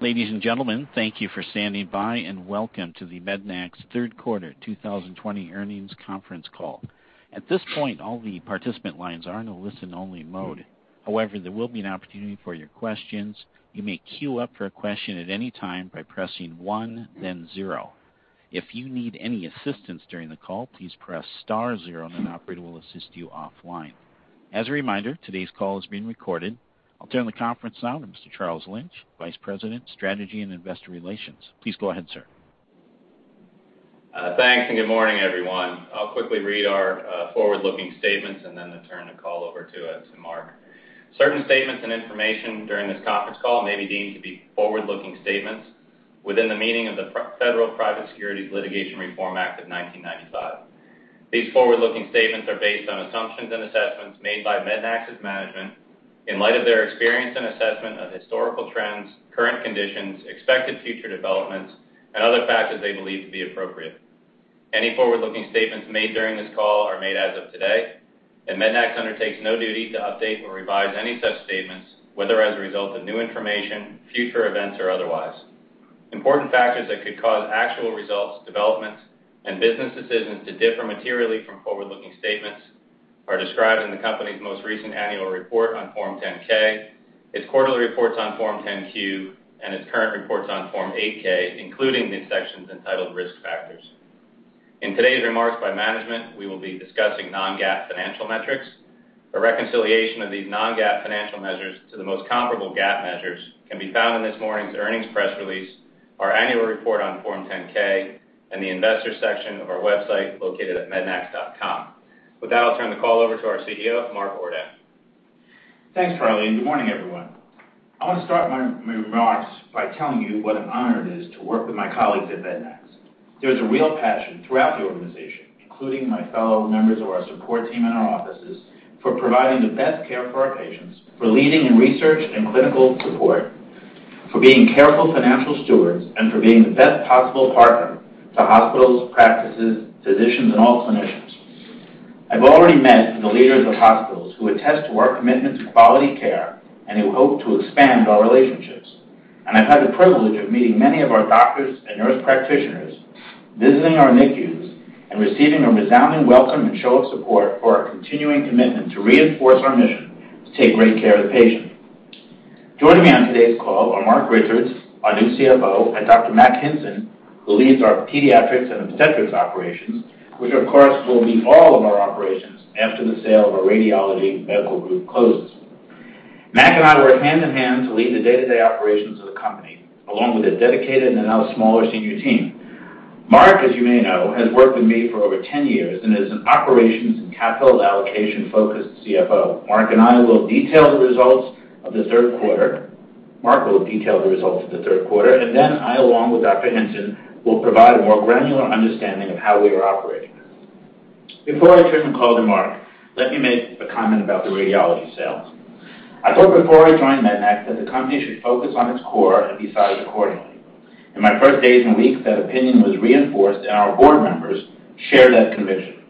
Ladies and gentlemen, thank you for standing by, welcome to the MEDNAX Third Quarter 2020 Earnings Conference Call. At this point, all the participant lines are in a listen-only mode. However, there will be an opportunity for your questions. You may queue up for a question at any time by pressing one then zero. If you need any assistance during the call, please press star zero, an operator will assist you offline. As a reminder, today's call is being recorded. I'll turn the conference now to Mr. Charles Lynch, Vice President, Strategy and Investor Relations. Please go ahead, sir. Thanks, good morning, everyone. I'll quickly read our forward-looking statements and then turn the call over to Mark. Certain statements and information during this conference call may be deemed to be forward-looking statements within the meaning of the Private Securities Litigation Reform Act of 1995. These forward-looking statements are based on assumptions and assessments made by MEDNAX's management in light of their experience and assessment of historical trends, current conditions, expected future developments, and other factors they believe to be appropriate. Any forward-looking statements made during this call are made as of today. MEDNAX undertakes no duty to update or revise any such statements, whether as a result of new information, future events, or otherwise. Important factors that could cause actual results, developments, and business decisions to differ materially from forward-looking statements are described in the company's most recent Annual Report on Form 10-K, its quarterly reports on Form 10-Q, and its current reports on Form 8-K, including the sections entitled Risk Factors. In today's remarks by management, we will be discussing non-GAAP financial metrics. A reconciliation of these non-GAAP financial measures to the most comparable GAAP measures can be found in this morning's earnings press release, our annual report on Form 10-K, and the Investors section of our website located at mednax.com. With that, I'll turn the call over to our CEO, Mark Ordan. Thanks, Charlie. Good morning, everyone. I want to start my remarks by telling you what an honor it is to work with my colleagues at MEDNAX. There is a real passion throughout the organization, including my fellow members of our support team in our offices, for providing the best care for our patients, for leading in research and clinical support, for being careful financial stewards, and for being the best possible partner to hospitals, practices, physicians, and all clinicians. I've already met the leaders of hospitals who attest to our commitment to quality care and who hope to expand our relationships. I've had the privilege of meeting many of our doctors and nurse practitioners, visiting our NICUs, and receiving a resounding welcome and show of support for our continuing commitment to reinforce our mission to take great care of the patient. Joining me on today's call are Marc Richards, our new CFO, and Dr. Mack Hinson, who leads our Pediatrix and Obstetrix operations, which, of course, will be all of our operations after the sale of our radiology medical group closes. Mack and I work hand-in-hand to lead the day-to-day operations of the company, along with a dedicated and now smaller senior team. Marc, as you may know, has worked with me for over 10 years and is an operations and capital allocation-focused CFO. Marc and I will detail the results of the third quarter. Marc will detail the results of the third quarter, and then I, along with Dr. Hinson, will provide a more granular understanding of how we are operating. Before I turn the call to Marc, let me make a comment about the radiology sale. I thought before I joined MEDNAX that the company should focus on its core and be sized accordingly. In my first days and weeks, that opinion was reinforced, and our board members share that conviction.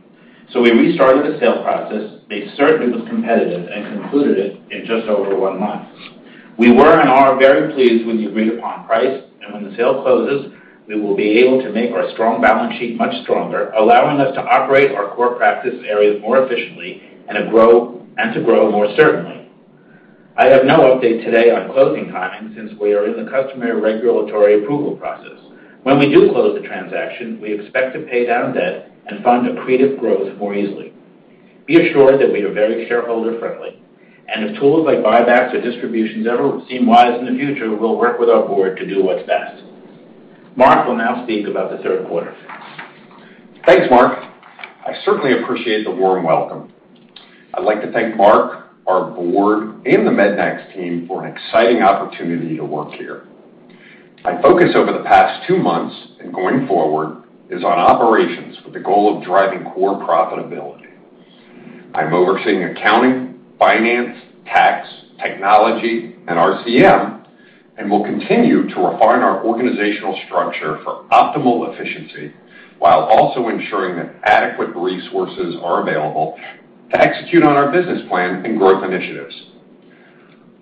We restarted the sale process, made certain it was competitive, and concluded it in just over one month. We were, and are, very pleased with the agreed-upon price. When the sale closes, we will be able to make our strong balance sheet much stronger, allowing us to operate our core practice areas more efficiently and to grow more certainly. I have no update today on closing timing since we are in the customary regulatory approval process. When we do close the transaction, we expect to pay down debt and fund accretive growth more easily. Be assured that we are very shareholder-friendly, and if tools like buybacks or distributions ever seem wise in the future, we'll work with our board to do what's best. Marc will now speak about the third quarter. Thanks, Mark. I certainly appreciate the warm welcome. I'd like to thank Mark, our board, and the MEDNAX team for an exciting opportunity to work here. My focus over the past two months and going forward is on operations with the goal of driving core profitability. I'm overseeing accounting, finance, tax, technology, and RCM and will continue to refine our organizational structure for optimal efficiency while also ensuring that adequate resources are available to execute on our business plan and growth initiatives.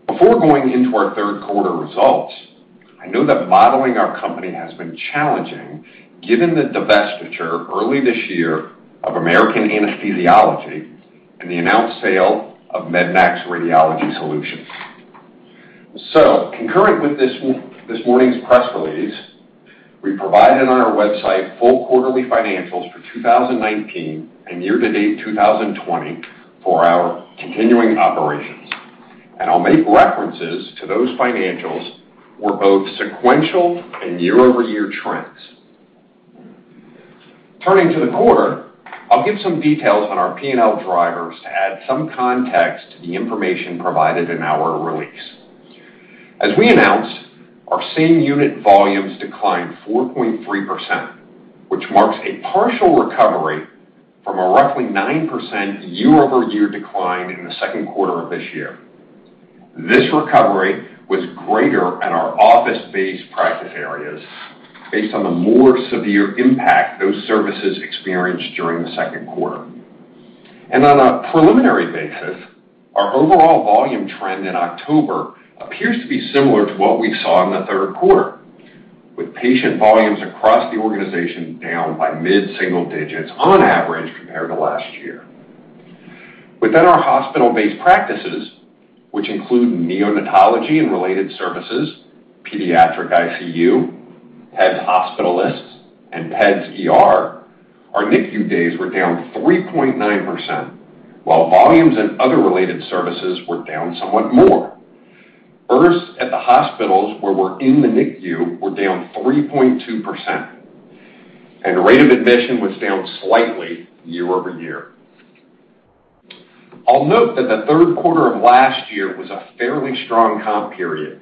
Before going into our third quarter results, I know that modeling our company has been challenging given the divestiture early this year of American Anesthesiology and the announced sale of MEDNAX Radiology Solutions. Concurrent with this morning's press release, we provided on our website full quarterly financials for 2019 and year-to-date 2020 for our continuing operations. I'll make references to those financials for both sequential and year-over-year trends. Turning to the quarter, I'll give some details on our P&L drivers to add some context to the information provided in our release. As we announced, our same unit volumes declined 4.3%, which marks a partial recovery from a roughly 9% year-over-year decline in the second quarter of this year. This recovery was greater at our office-based practice areas based on the more severe impact those services experienced during the second quarter. On a preliminary basis, our overall volume trend in October appears to be similar to what we saw in the third quarter, with patient volumes across the organization down by mid-single-digits on average compared to last year. Within our hospital-based practices, which include neonatology and related services, Pediatric ICU, peds hospitalists, and peds ER, our NICU days were down 3.9%, while volumes in other related services were down somewhat more. Births at the hospitals where we're in the NICU were down 3.2%, and rate of admission was down slightly year-over-year. I'll note that the third quarter of last year was a fairly strong comp period,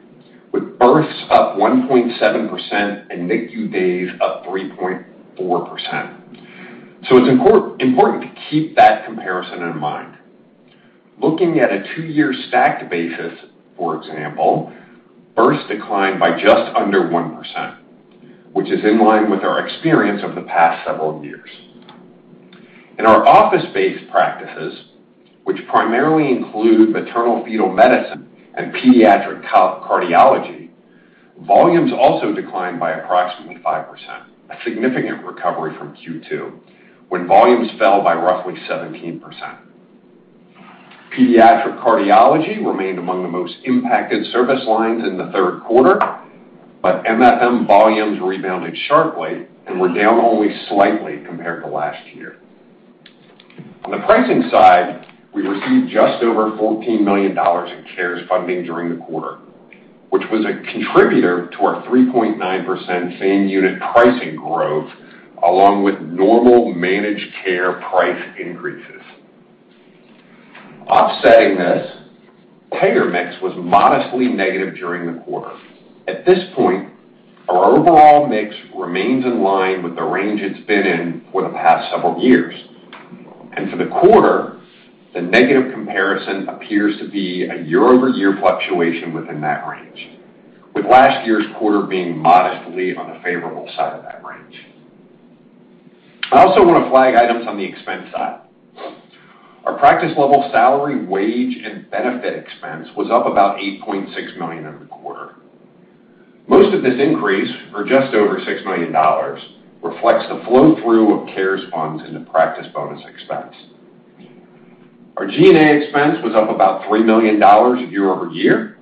with births up 1.7% and NICU days up 3.4%. It's important to keep that comparison in mind. Looking at a two-year stacked basis, for example, births declined by just under 1%, which is in line with our experience of the past several years. In our office-based practices, which primarily include maternal-fetal medicine and pediatric cardiology, volumes also declined by approximately 5%, a significant recovery from Q2, when volumes fell by roughly 17%. Pediatric cardiology remained among the most impacted service lines in the third quarter, but MFM volumes rebounded sharply and were down only slightly compared to last year. On the pricing side, we received just over $14 million in CARES funding during the quarter, which was a contributor to our 3.9% same-unit pricing growth, along with normal managed care price increases. Offsetting this, payer mix was modestly negative during the quarter. At this point, our overall mix remains in line with the range it's been in for the past several years. For the quarter, the negative comparison appears to be a year-over-year fluctuation within that range, with last year's quarter being modestly on the favorable side of that range. I also want to flag items on the expense side. Our practice-level salary, wage, and benefit expense was up about $8.6 million in the quarter. Most of this increase, or just over $6 million, reflects the flow-through of CARES funds into practice bonus expense. Our G&A expense was up about $3 million year-over-year.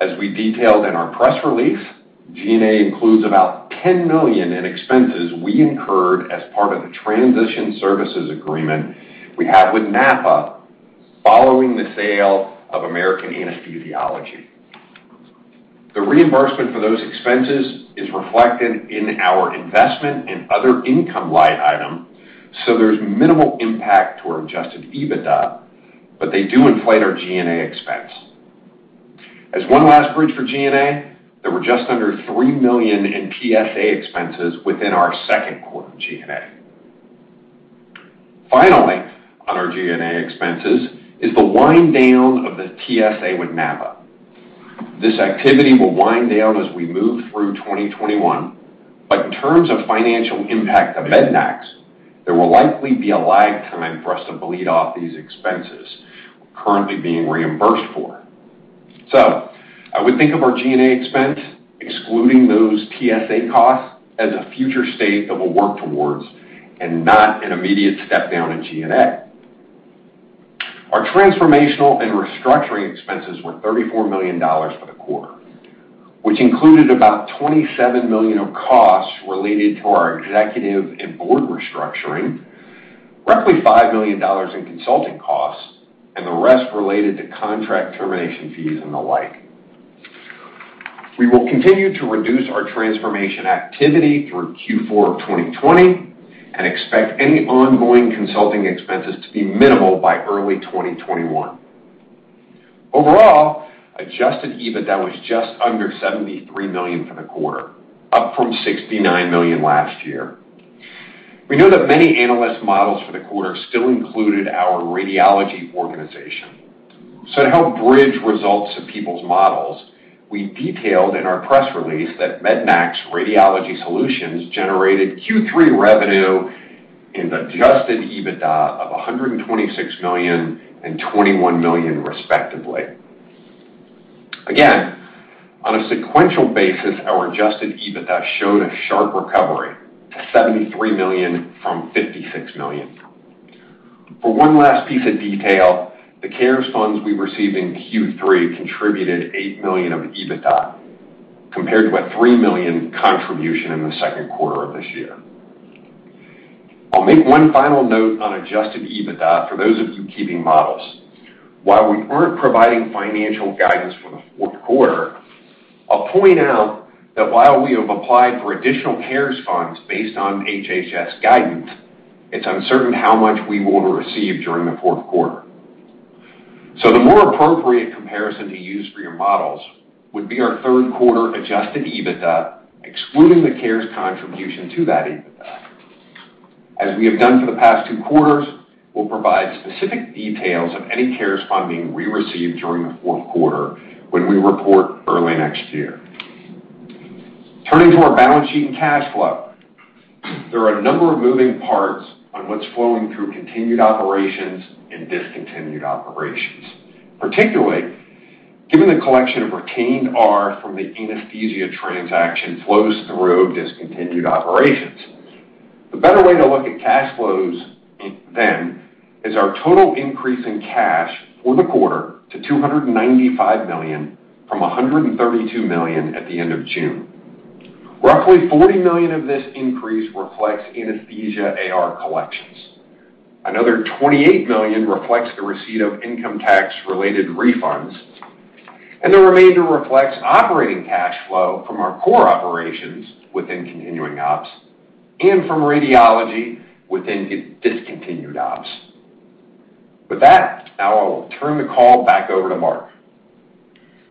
As we detailed in our press release, G&A includes about $10 million in expenses we incurred as part of the transition services agreement we have with NAPA following the sale of American Anesthesiology. The reimbursement for those expenses is reflected in our investment and other income line item, so there's minimal impact to our adjusted EBITDA, but they do inflate our G&A expense. As one last bridge for G&A, there were just under $3 million in TSA expenses within our second quarter G&A. Finally, on our G&A expenses is the wind down of the TSA with NAPA. This activity will wind down as we move through 2021, but in terms of financial impact to MEDNAX, there will likely be a lag time for us to bleed off these expenses we're currently being reimbursed for. I would think of our G&A expense, excluding those TSA costs, as a future state that we'll work towards and not an immediate step down in G&A. Our transformational and restructuring expenses were $34 million for the quarter, which included about $27 million of costs related to our executive and board restructuring, roughly $5 million in consulting costs, and the rest related to contract termination fees and the like. We will continue to reduce our transformation activity through Q4 of 2020 and expect any ongoing consulting expenses to be minimal by early 2021. Overall, adjusted EBITDA was just under $73 million for the quarter, up from $69 million last year. We know that many analyst models for the quarter still included our radiology organization. To help bridge results of people's models, we detailed in our press release that MEDNAX Radiology Solutions generated Q3 revenue and adjusted EBITDA of $126 million and $21 million respectively. Again, on a sequential basis, our adjusted EBITDA showed a sharp recovery to $73 million from $56 million. For one last piece of detail, the CARES funds we received in Q3 contributed $8 million of EBITDA compared to a $3 million contribution in the second quarter of this year. I'll make one final note on adjusted EBITDA for those of you keeping models. While we aren't providing financial guidance for the fourth quarter, I'll point out that while we have applied for additional CARES funds based on HHS guidance, it's uncertain how much we will receive during the fourth quarter. The more appropriate comparison to use for your models would be our third quarter adjusted EBITDA, excluding the CARES contribution to that EBITDA. As we have done for the past two quarters, we'll provide specific details of any CARES funding we receive during the fourth quarter when we report early next year. Turning to our balance sheet and cash flow. There are a number of moving parts on what's flowing through continued operations and discontinued operations, particularly given the collection of retained AR from the anesthesia transaction flows through discontinued operations. The better way to look at cash flows then is our total increase in cash for the quarter to $295 million from $132 million at the end of June. Roughly $40 million of this increase reflects anesthesia AR collections. Another $28 million reflects the receipt of income tax-related refunds, and the remainder reflects operating cash flow from our core operations within continuing ops and from radiology within discontinued ops. With that, now I'll turn the call back over to Mark.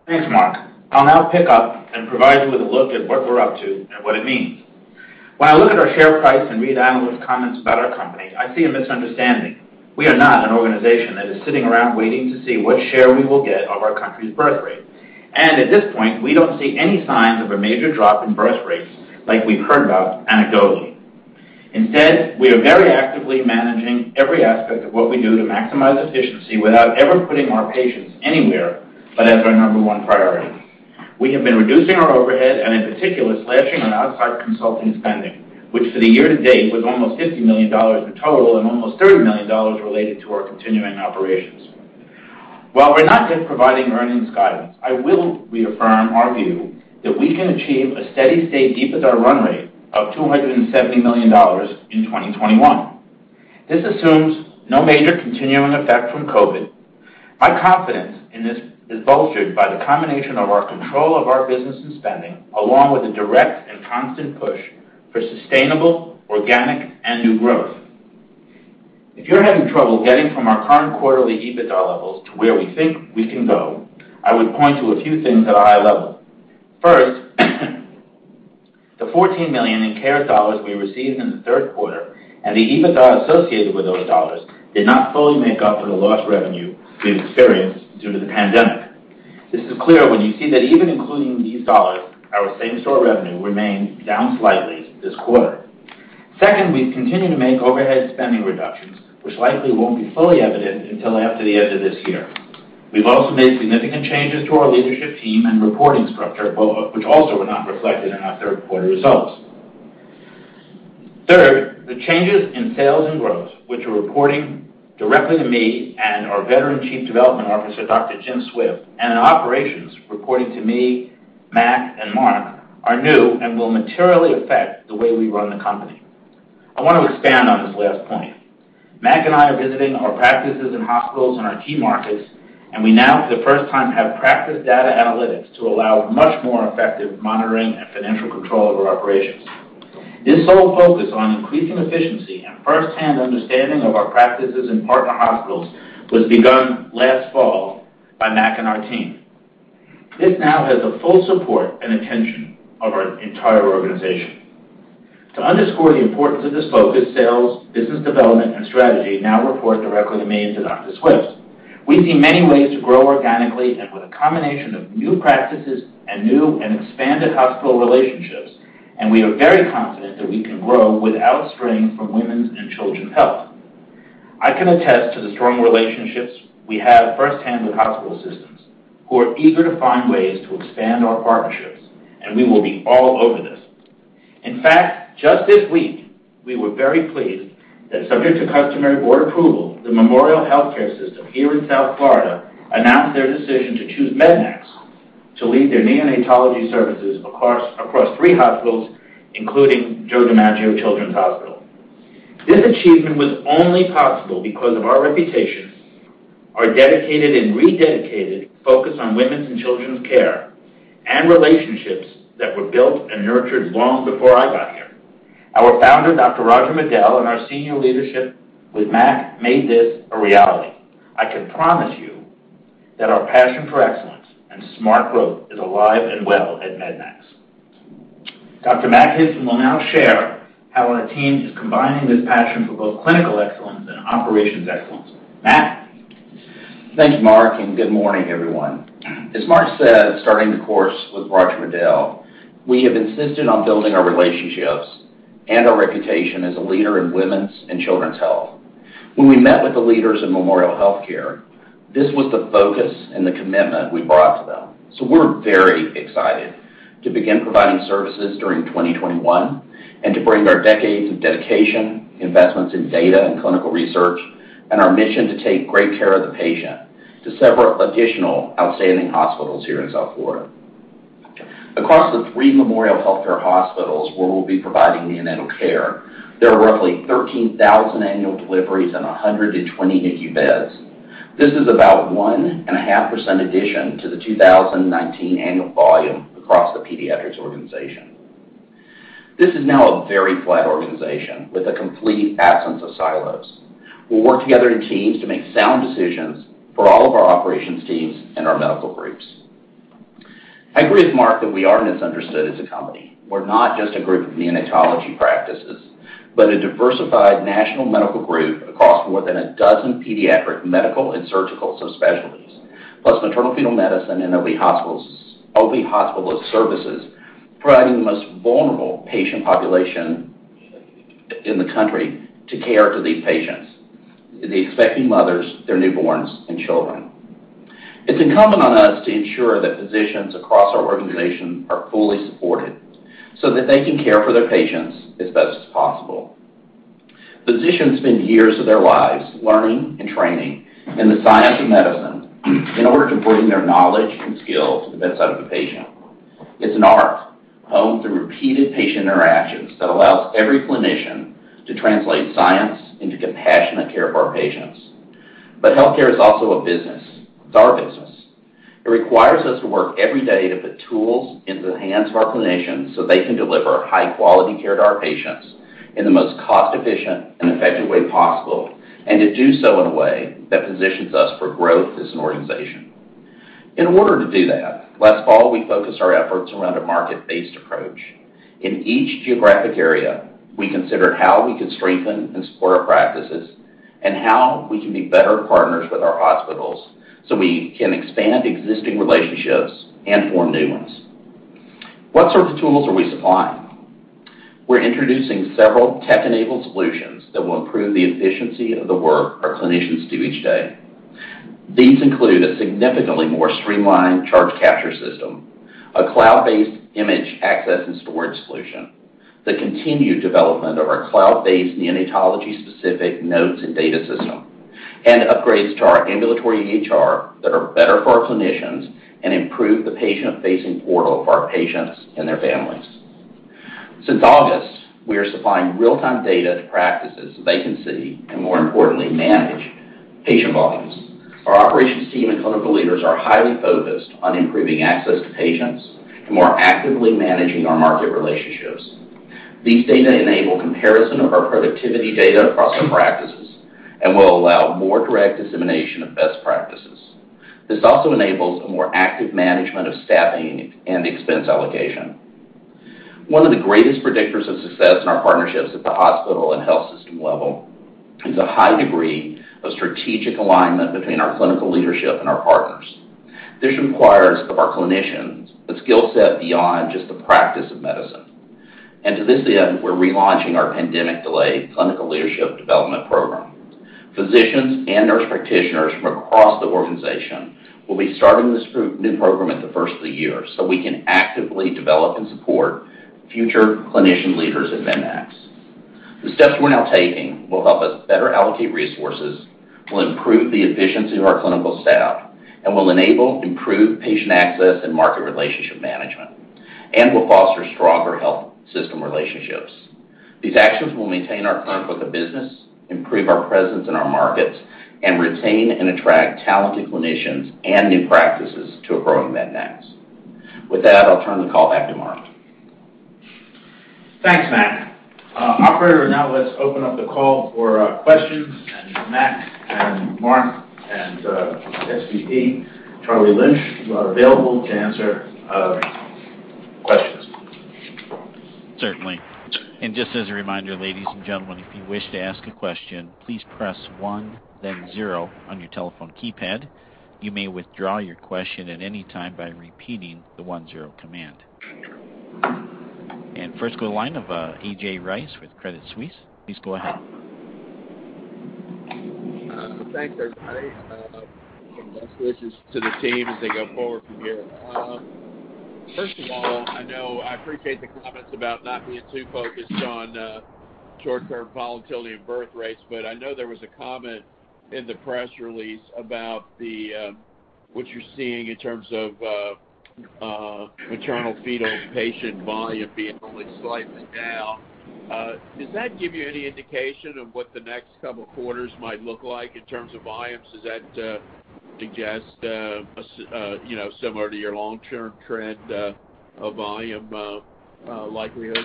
Thanks, Marc. I'll now pick up and provide you with a look at what we're up to and what it means. When I look at our share price and read analyst comments about our company, I see a misunderstanding. We are not an organization that is sitting around waiting to see what share we will get of our country's birth rate. At this point, we don't see any signs of a major drop in birth rates like we've heard about anecdotally. Instead, we are very actively managing every aspect of what we do to maximize efficiency without ever putting our patients anywhere but as our number one priority. We have been reducing our overhead, and in particular, slashing on outside consulting spending, which for the year to date was almost $50 million in total and almost $30 million related to our continuing operations. While we're not yet providing earnings guidance, I will reaffirm our view that we can achieve a steady state EBITDA run rate of $270 million in 2021. This assumes no major continuing effect from COVID. My confidence in this is bolstered by the combination of our control of our business and spending, along with a direct and constant push for sustainable, organic, and new growth. If you're having trouble getting from our current quarterly EBITDA levels to where we think we can go, I would point to a few things at a high level. First, the $14 million in CARES dollars we received in the third quarter and the EBITDA associated with those dollars did not fully make up for the lost revenue we've experienced due to the pandemic. This is clear when you see that even including these dollars, our same-store revenue remained down slightly this quarter. Second, we've continued to make overhead spending reductions, which likely won't be fully evident until after the end of this year. We've also made significant changes to our leadership team and reporting structure, both of which also were not reflected in our third quarter results. Third, the changes in sales and growth, which are reporting directly to me and our veteran Chief Development Officer, Dr. Jim Swift, and in operations, reporting to me, Marc, and Mack, are new and will materially affect the way we run the company. I want to expand on this last point. Mack and I are visiting our practices and hospitals in our key markets, and we now, for the first time, have practice data analytics to allow much more effective monitoring and financial control over operations. This sole focus on increasing efficiency and first-hand understanding of our practices in partner hospitals was begun last fall by Mack and our team. This now has the full support and attention of our entire organization. To underscore the importance of this focus, sales, business development, and strategy now report directly to me and to Dr. Swift. We see many ways to grow organically and with a combination of new practices and new and expanded hospital relationships. We are very confident that we can grow without strain from women's and children's health. I can attest to the strong relationships we have firsthand with hospital systems who are eager to find ways to expand our partnerships, and we will be all over this. In fact, just this week, we were very pleased that subject to customary board approval, the Memorial Healthcare System here in South Florida announced their decision to choose MEDNAX to lead their neonatology services across three hospitals, including Joe DiMaggio Children's Hospital. This achievement was only possible because of our reputation, our dedicated and rededicated focus on women's and children's care, and relationships that were built and nurtured long before I got here. Our founder, Dr. Roger Medel, and our senior leadership with Mack made this a reality. I can promise you that our passion for excellence and smart growth is alive and well at MEDNAX. Dr. Mack Hinson will now share how our team is combining this passion for both clinical excellence and operations excellence. Mack? Thank you, Mark, good morning, everyone. As Mark said, starting the course with Roger Medel, we have insisted on building our relationships and our reputation as a leader in women's and children's health. When we met with the leaders of Memorial Healthcare, this was the focus and the commitment we brought to them. We're very excited to begin providing services during 2021 and to bring our decades of dedication, investments in data and clinical research, and our mission to take great care of the patient to several additional outstanding hospitals here in South Florida. Across the three Memorial Healthcare hospitals where we'll be providing neonatal care, there are roughly 13,000 annual deliveries and 120 NICU beds. This is about 1.5% addition to the 2019 annual volume across the Pediatrix organization. This is now a very flat organization with a complete absence of silos. We'll work together in teams to make sound decisions for all of our operations teams and our medical groups. I agree with Mark that we are misunderstood as a company. We're not just a group of neonatology practices, but a diversified national medical group across more than a dozen pediatric medical and surgical subspecialties. Plus maternal-fetal medicine in OB hospitalist services, providing the most vulnerable patient population in the country to care to these patients, the expecting mothers, their newborns, and children. It's incumbent on us to ensure that physicians across our organization are fully supported so that they can care for their patients as best as possible. Physicians spend years of their lives learning and training in the science of medicine in order to bring their knowledge and skill to the bedside of a patient. It's an art honed through repeated patient interactions that allows every clinician to translate science into compassionate care of our patients. Healthcare is also a business. It's our business. It requires us to work every day to put tools into the hands of our clinicians so they can deliver high-quality care to our patients in the most cost-efficient and effective way possible, and to do so in a way that positions us for growth as an organization. In order to do that, last fall, we focused our efforts around a market-based approach. In each geographic area, we considered how we could strengthen and support our practices and how we can be better partners with our hospitals so we can expand existing relationships and form new ones. What sort of tools are we supplying? We're introducing several tech-enabled solutions that will improve the efficiency of the work our clinicians do each day. These include a significantly more streamlined charge capture system, a cloud-based image access and storage solution, the continued development of our cloud-based neonatology-specific notes and data system, and upgrades to our ambulatory EHR that are better for our clinicians and improve the patient-facing portal for our patients and their families. Since August, we are supplying real-time data to practices so they can see, and more importantly, manage patient volumes. Our operations team and clinical leaders are highly focused on improving access to patients and more actively managing our market relationships. These data enable comparison of our productivity data across our practices and will allow more direct dissemination of best practices. This also enables a more active management of staffing and expense allocation. One of the greatest predictors of success in our partnerships at the hospital and health system level is a high degree of strategic alignment between our clinical leadership and our partners. This requires of our clinicians the skill set beyond just the practice of medicine. To this end, we're relaunching our pandemic-delayed clinical leadership development program. Physicians and nurse practitioners from across the organization will be starting this new program at the first of the year so we can actively develop and support future clinician leaders at MEDNAX. The steps we're now taking will help us better allocate resources, will improve the efficiency of our clinical staff, and will enable improved patient access and market relationship management, and will foster stronger health system relationships. These actions will maintain our current book of business, improve our presence in our markets, and retain and attract talented clinicians and new practices to a growing MEDNAX. With that, I'll turn the call back to Mark. Thanks, Mack. Operator, now let's open up the call for questions, and Mack and Marc and SVP Charlie Lynch are available to answer questions. Certainly. Just as a reminder, ladies and gentlemen, if you wish to ask a question, please press one, then zero on your telephone keypad. You may withdraw your question at any time by repeating the one-zero command. First, go line of A.J. Rice with Credit Suisse. Please go ahead. Thanks, everybody. Best wishes to the team as they go forward from here. First of all, I appreciate the comments about not being too focused on short-term volatility and birth rates. I know there was a comment in the press release about what you're seeing in terms of maternal-fetal patient volume being only slightly down. Does that give you any indication of what the next couple of quarters might look like in terms of volumes? Does that suggest similar to your long-term trend of volume likelihood?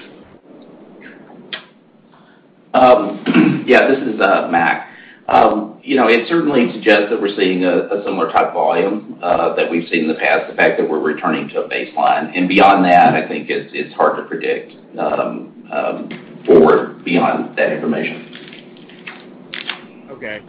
Yeah, this is Mack. It certainly suggests that we're seeing a similar type volume that we've seen in the past, the fact that we're returning to a baseline. Beyond that, I think it's hard to predict forward beyond that information. Okay.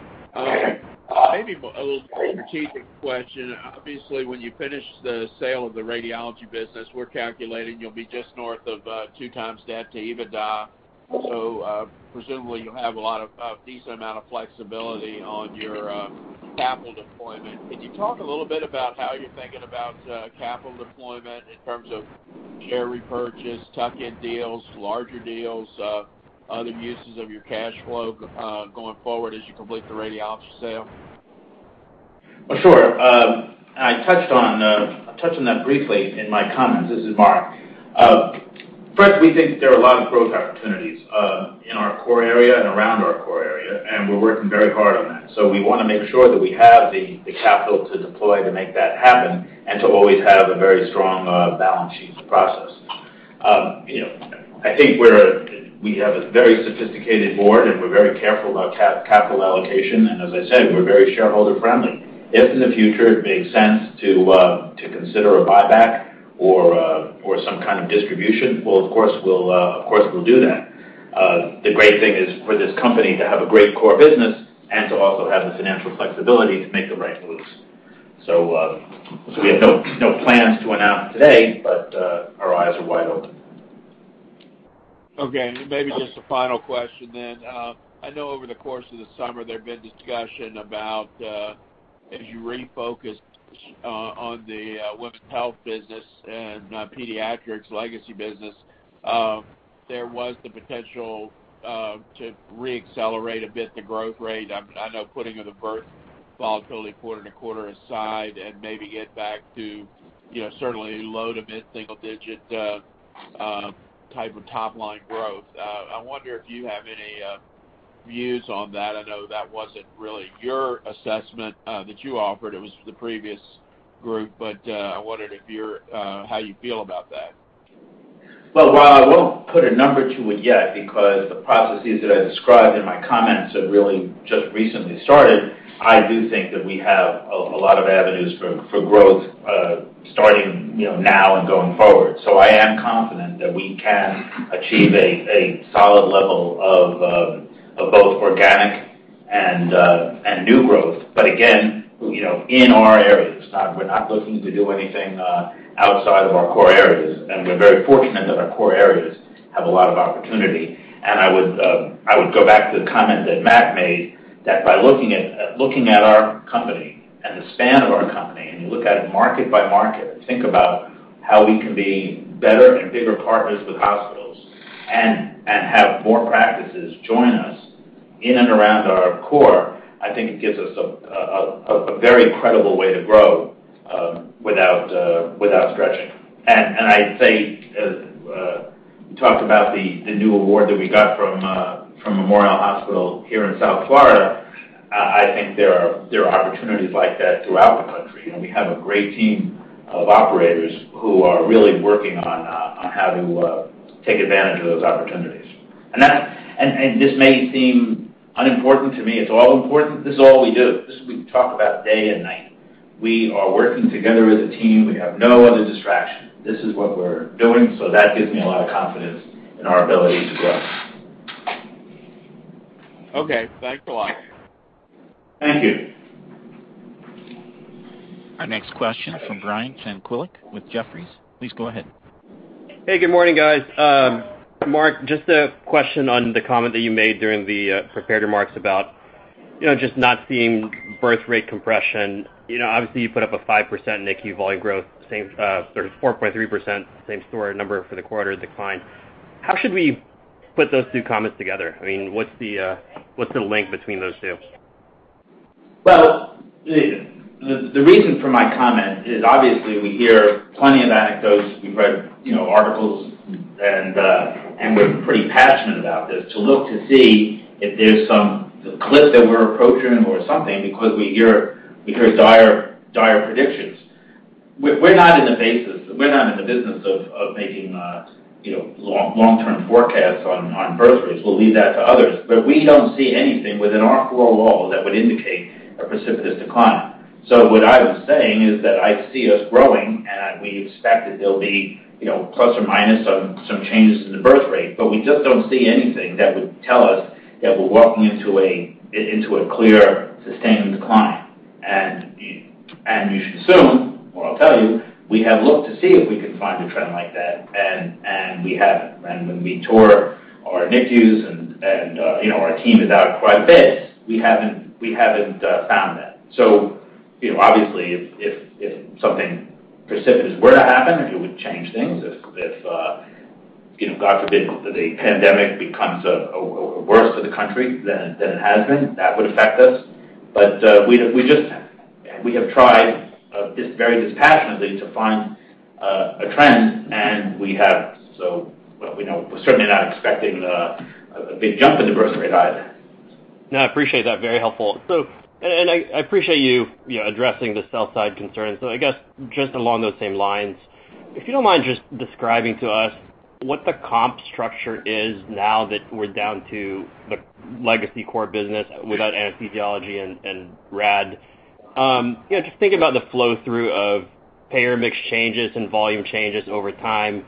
Maybe a little strategic question. Obviously, when you finish the sale of the radiology business, we're calculating you'll be just north of two times debt to EBITDA. Presumably, you'll have a decent amount of flexibility on your capital deployment. Could you talk a little bit about how you're thinking about capital deployment in terms of share repurchase, tuck-in deals, larger deals, other uses of your cash flow going forward as you complete the radiology sale? Sure. I touched on that briefly in my comments. This is Mark. First, we think there are a lot of growth opportunities in our core area and around our core area, and we're working very hard on that. We want to make sure that we have the capital to deploy to make that happen and to always have a very strong balance sheet process. I think we have a very sophisticated board, and we're very careful about capital allocation, and as I said, we're very shareholder friendly. If in the future it makes sense to consider a buyback or some kind of distribution, well, of course, we'll do that. The great thing is for this company to have a great core business and to also have the financial flexibility to make the right moves. We have no plans to announce today, but our eyes are wide open. Okay. Maybe just a final question. I know over the course of the summer, there have been discussion about as you refocused on the women's health business and Pediatrix legacy business, there was the potential to re-accelerate a bit the growth rate. I know putting the birth volatility quarter-to-quarter aside and maybe get back to certainly low-to-mid single-digit type of top-line growth. I wonder if you have any views on that. I know that wasn't really your assessment that you offered, it was the previous group, but I wondered how you feel about that. Well, while I won't put a number to it yet, because the processes that I described in my comments have really just recently started, I do think that we have a lot of avenues for growth, starting now and going forward. I am confident that we can achieve a solid level of both organic and new growth. Again, in our areas. We're not looking to do anything outside of our core areas, and we're very fortunate that our core areas have a lot of opportunity. I would go back to the comment that Mack made, that by looking at our company and the span of our company, you look at it market by market, and think about how we can be better and bigger partners with hospitals, and have more practices join us in and around our core, I think it gives us a very credible way to grow without stretching. I'd say, you talked about the new award that we got from Memorial Hospital here in South Florida. I think there are opportunities like that throughout the country, and we have a great team of operators who are really working on how to take advantage of those opportunities. This may seem unimportant. To me, it's all important. This is all we do. This is what we talk about day and night. We are working together as a team. We have no other distraction. This is what we're doing. That gives me a lot of confidence in our ability to grow. Okay. Thanks a lot. Thank you. Our next question is from Brian Tanquilut with Jefferies. Please go ahead. Hey, good morning, guys. Mark, just a question on the comment that you made during the prepared remarks about just not seeing birth rate compression. Obviously, you put up a 5% NICU volume growth, 4.3% same store number for the quarter decline. How should we put those two comments together? What's the link between those two? Well, the reason for my comment is obviously we hear plenty of anecdotes. We've read articles, and we're pretty passionate about this, to look to see if there's some cliff that we're approaching or something because we hear dire predictions. We're not in the business of making long-term forecasts on birth rates. We'll leave that to others, but we don't see anything within our four walls that would indicate a precipitous decline. What I was saying is that I see us growing, and we expect that there'll be plus or minus some changes in the birth rate. We just don't see anything that would tell us that we're walking into a clear, sustained decline. You should assume, or I'll tell you, we have looked to see if we can find a trend like that, and we haven't. When we tour our NICUs and our team is out quite a bit, we haven't found that. Obviously, if something precipitous were to happen, it would change things. If, God forbid, the pandemic becomes worse for the country than it has been, that would affect us. We have tried very dispassionately to find a trend, and we haven't. We're certainly not expecting a big jump in the birth rate either. No, I appreciate that. Very helpful. I appreciate you addressing the sell side concerns. I guess, just along those same lines, if you don't mind just describing to us what the comp structure is now that we're down to the legacy core business without anesthesiology and RAD. Just thinking about the flow-through of payer mix changes and volume changes over time,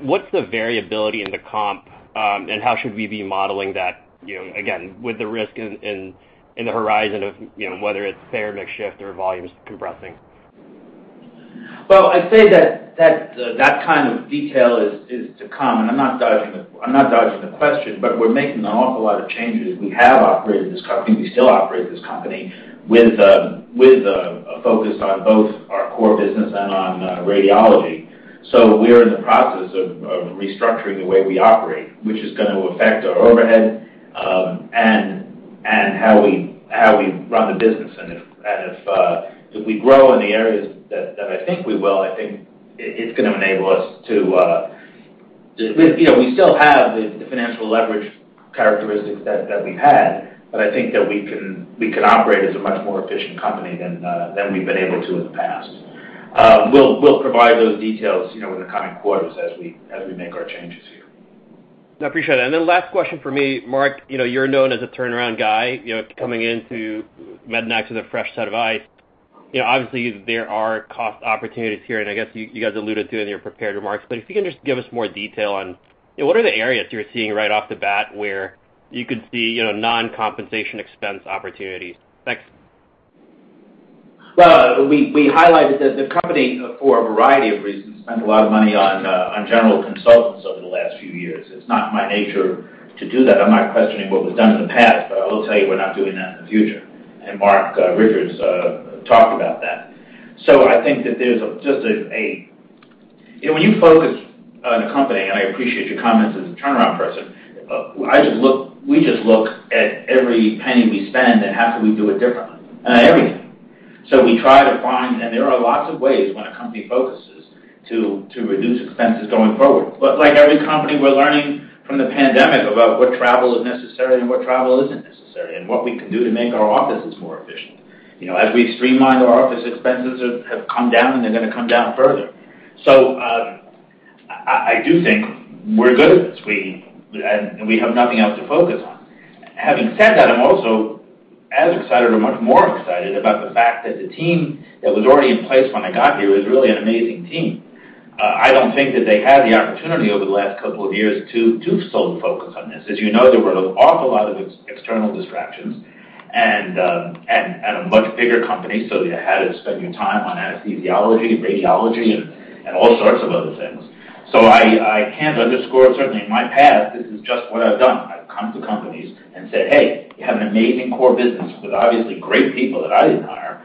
what's the variability in the comp and how should we be modeling that, again, with the risk in the horizon of whether it's payer mix shift or volumes compressing? Well, I'd say that that kind of detail is to come, and I'm not dodging the question, but we're making an awful lot of changes. We have operated this company, we still operate this company with a focus on both our core business and on radiology. We're in the process of restructuring the way we operate, which is going to affect our overhead and how we run the business. If we grow in the areas that I think we will, we still have the financial leverage characteristics that we've had, but I think that we can operate as a much more efficient company than we've been able to in the past. We'll provide those details in the coming quarters as we make our changes here. No, I appreciate it. Then last question from me. Mark, you're known as a turnaround guy, coming into MEDNAX with a fresh set of eyes. Obviously, there are cost opportunities here, I guess you guys alluded to it in your prepared remarks, if you can just give us more detail on what are the areas you're seeing right off the bat where you could see non-compensation expense opportunities? Thanks. We highlighted that the company, for a variety of reasons, spent a lot of money on general consultants over the last few years. It's not my nature to do that. I'm not questioning what was done in the past. I will tell you we're not doing that in the future, and Marc Richards talked about that. When you focus on a company, and I appreciate your comments as a turnaround person, we just look at every penny we spend and how can we do it differently in everything. We try to find, and there are lots of ways when a company focuses to reduce expenses going forward. Like every company, we're learning from the pandemic about what travel is necessary and what travel isn't necessary, and what we can do to make our offices more efficient. As we've streamlined, our office expenses have come down, and they're going to come down further. I do think we're good at this, and we have nothing else to focus on. Having said that, I'm also as excited or much more excited about the fact that the team that was already in place when I got here is really an amazing team. I don't think that they had the opportunity over the last couple of years to sole focus on this. As you know, there were an awful lot of external distractions and a much bigger company, you had to spend your time on anesthesiology, radiology, and all sorts of other things. I can't underscore, certainly in my past, this is just what I've done. I've come to companies and said, Hey, you have an amazing core business with obviously great people that I didn't hire.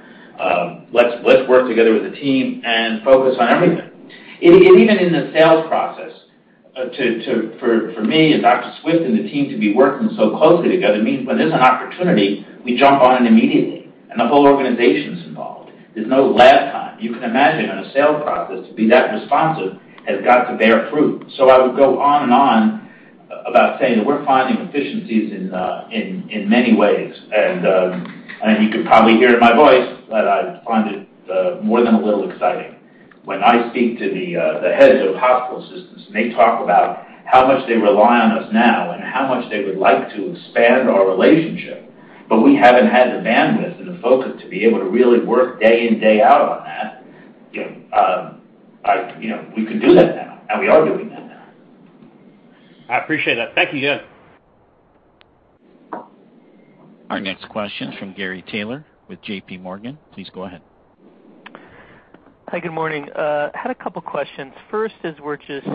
Let's work together as a team and focus on everything. Even in the sales process, for me and Dr. Swift and the team to be working so closely together means when there's an opportunity, we jump on it immediately, and the whole organization's involved. There's no lag time. You can imagine on a sales process to be that responsive has got to bear fruit. I would go on and on about saying that we're finding efficiencies in many ways. You can probably hear in my voice that I find it more than a little exciting. When I speak to the heads of hospital systems, and they talk about how much they rely on us now and how much they would like to expand our relationship, but we haven't had the bandwidth and the focus to be able to really work day in, day out on that. We can do that now, and we are doing that now. I appreciate that. Thank you. Our next question is from Gary Taylor with JPMorgan. Please go ahead. Hi, good morning. Had a couple questions. First, as we are just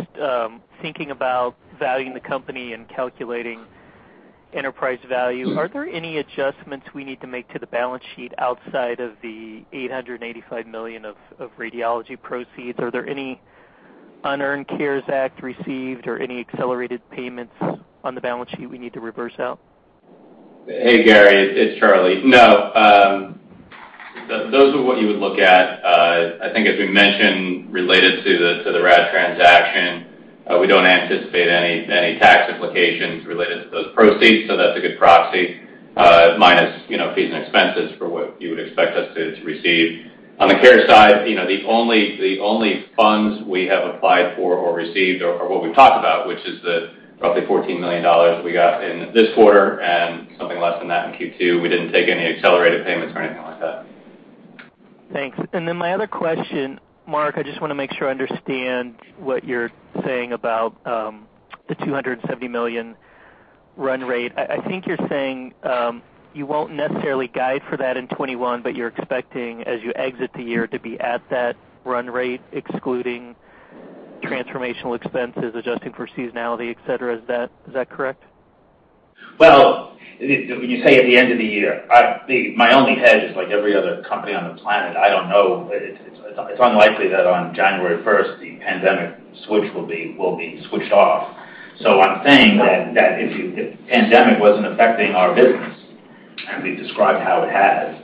thinking about valuing the company and calculating enterprise value, are there any adjustments we need to make to the balance sheet outside of the $885 million of radiology proceeds? Are there any unearned CARES Act received or any accelerated payments on the balance sheet we need to reverse out? Hey, Gary, it's Charlie. No. Those are what you would look at. I think as we mentioned, related to the RAD transaction, we don't anticipate any tax implications related to those proceeds, so that's a good proxy, minus fees and expenses for what you would expect us to receive. On the CARES side, the only funds we have applied for or received are what we've talked about, which is the roughly $14 million we got in this quarter and something less than that in Q2. We didn't take any accelerated payments or anything like that. Thanks. My other question, Mark, I just want to make sure I understand what you're saying about the $270 million run rate. I think you're saying you won't necessarily guide for that in 2021, but you're expecting as you exit the year to be at that run rate, excluding transformational expenses, adjusting for seasonality, et cetera. Is that correct? Well, when you say at the end of the year, my only hedge is like every other company on the planet. I don't know. It's unlikely that on January 1st, the pandemic switch will be switched off. I'm saying that if the pandemic wasn't affecting our business, and we've described how it has,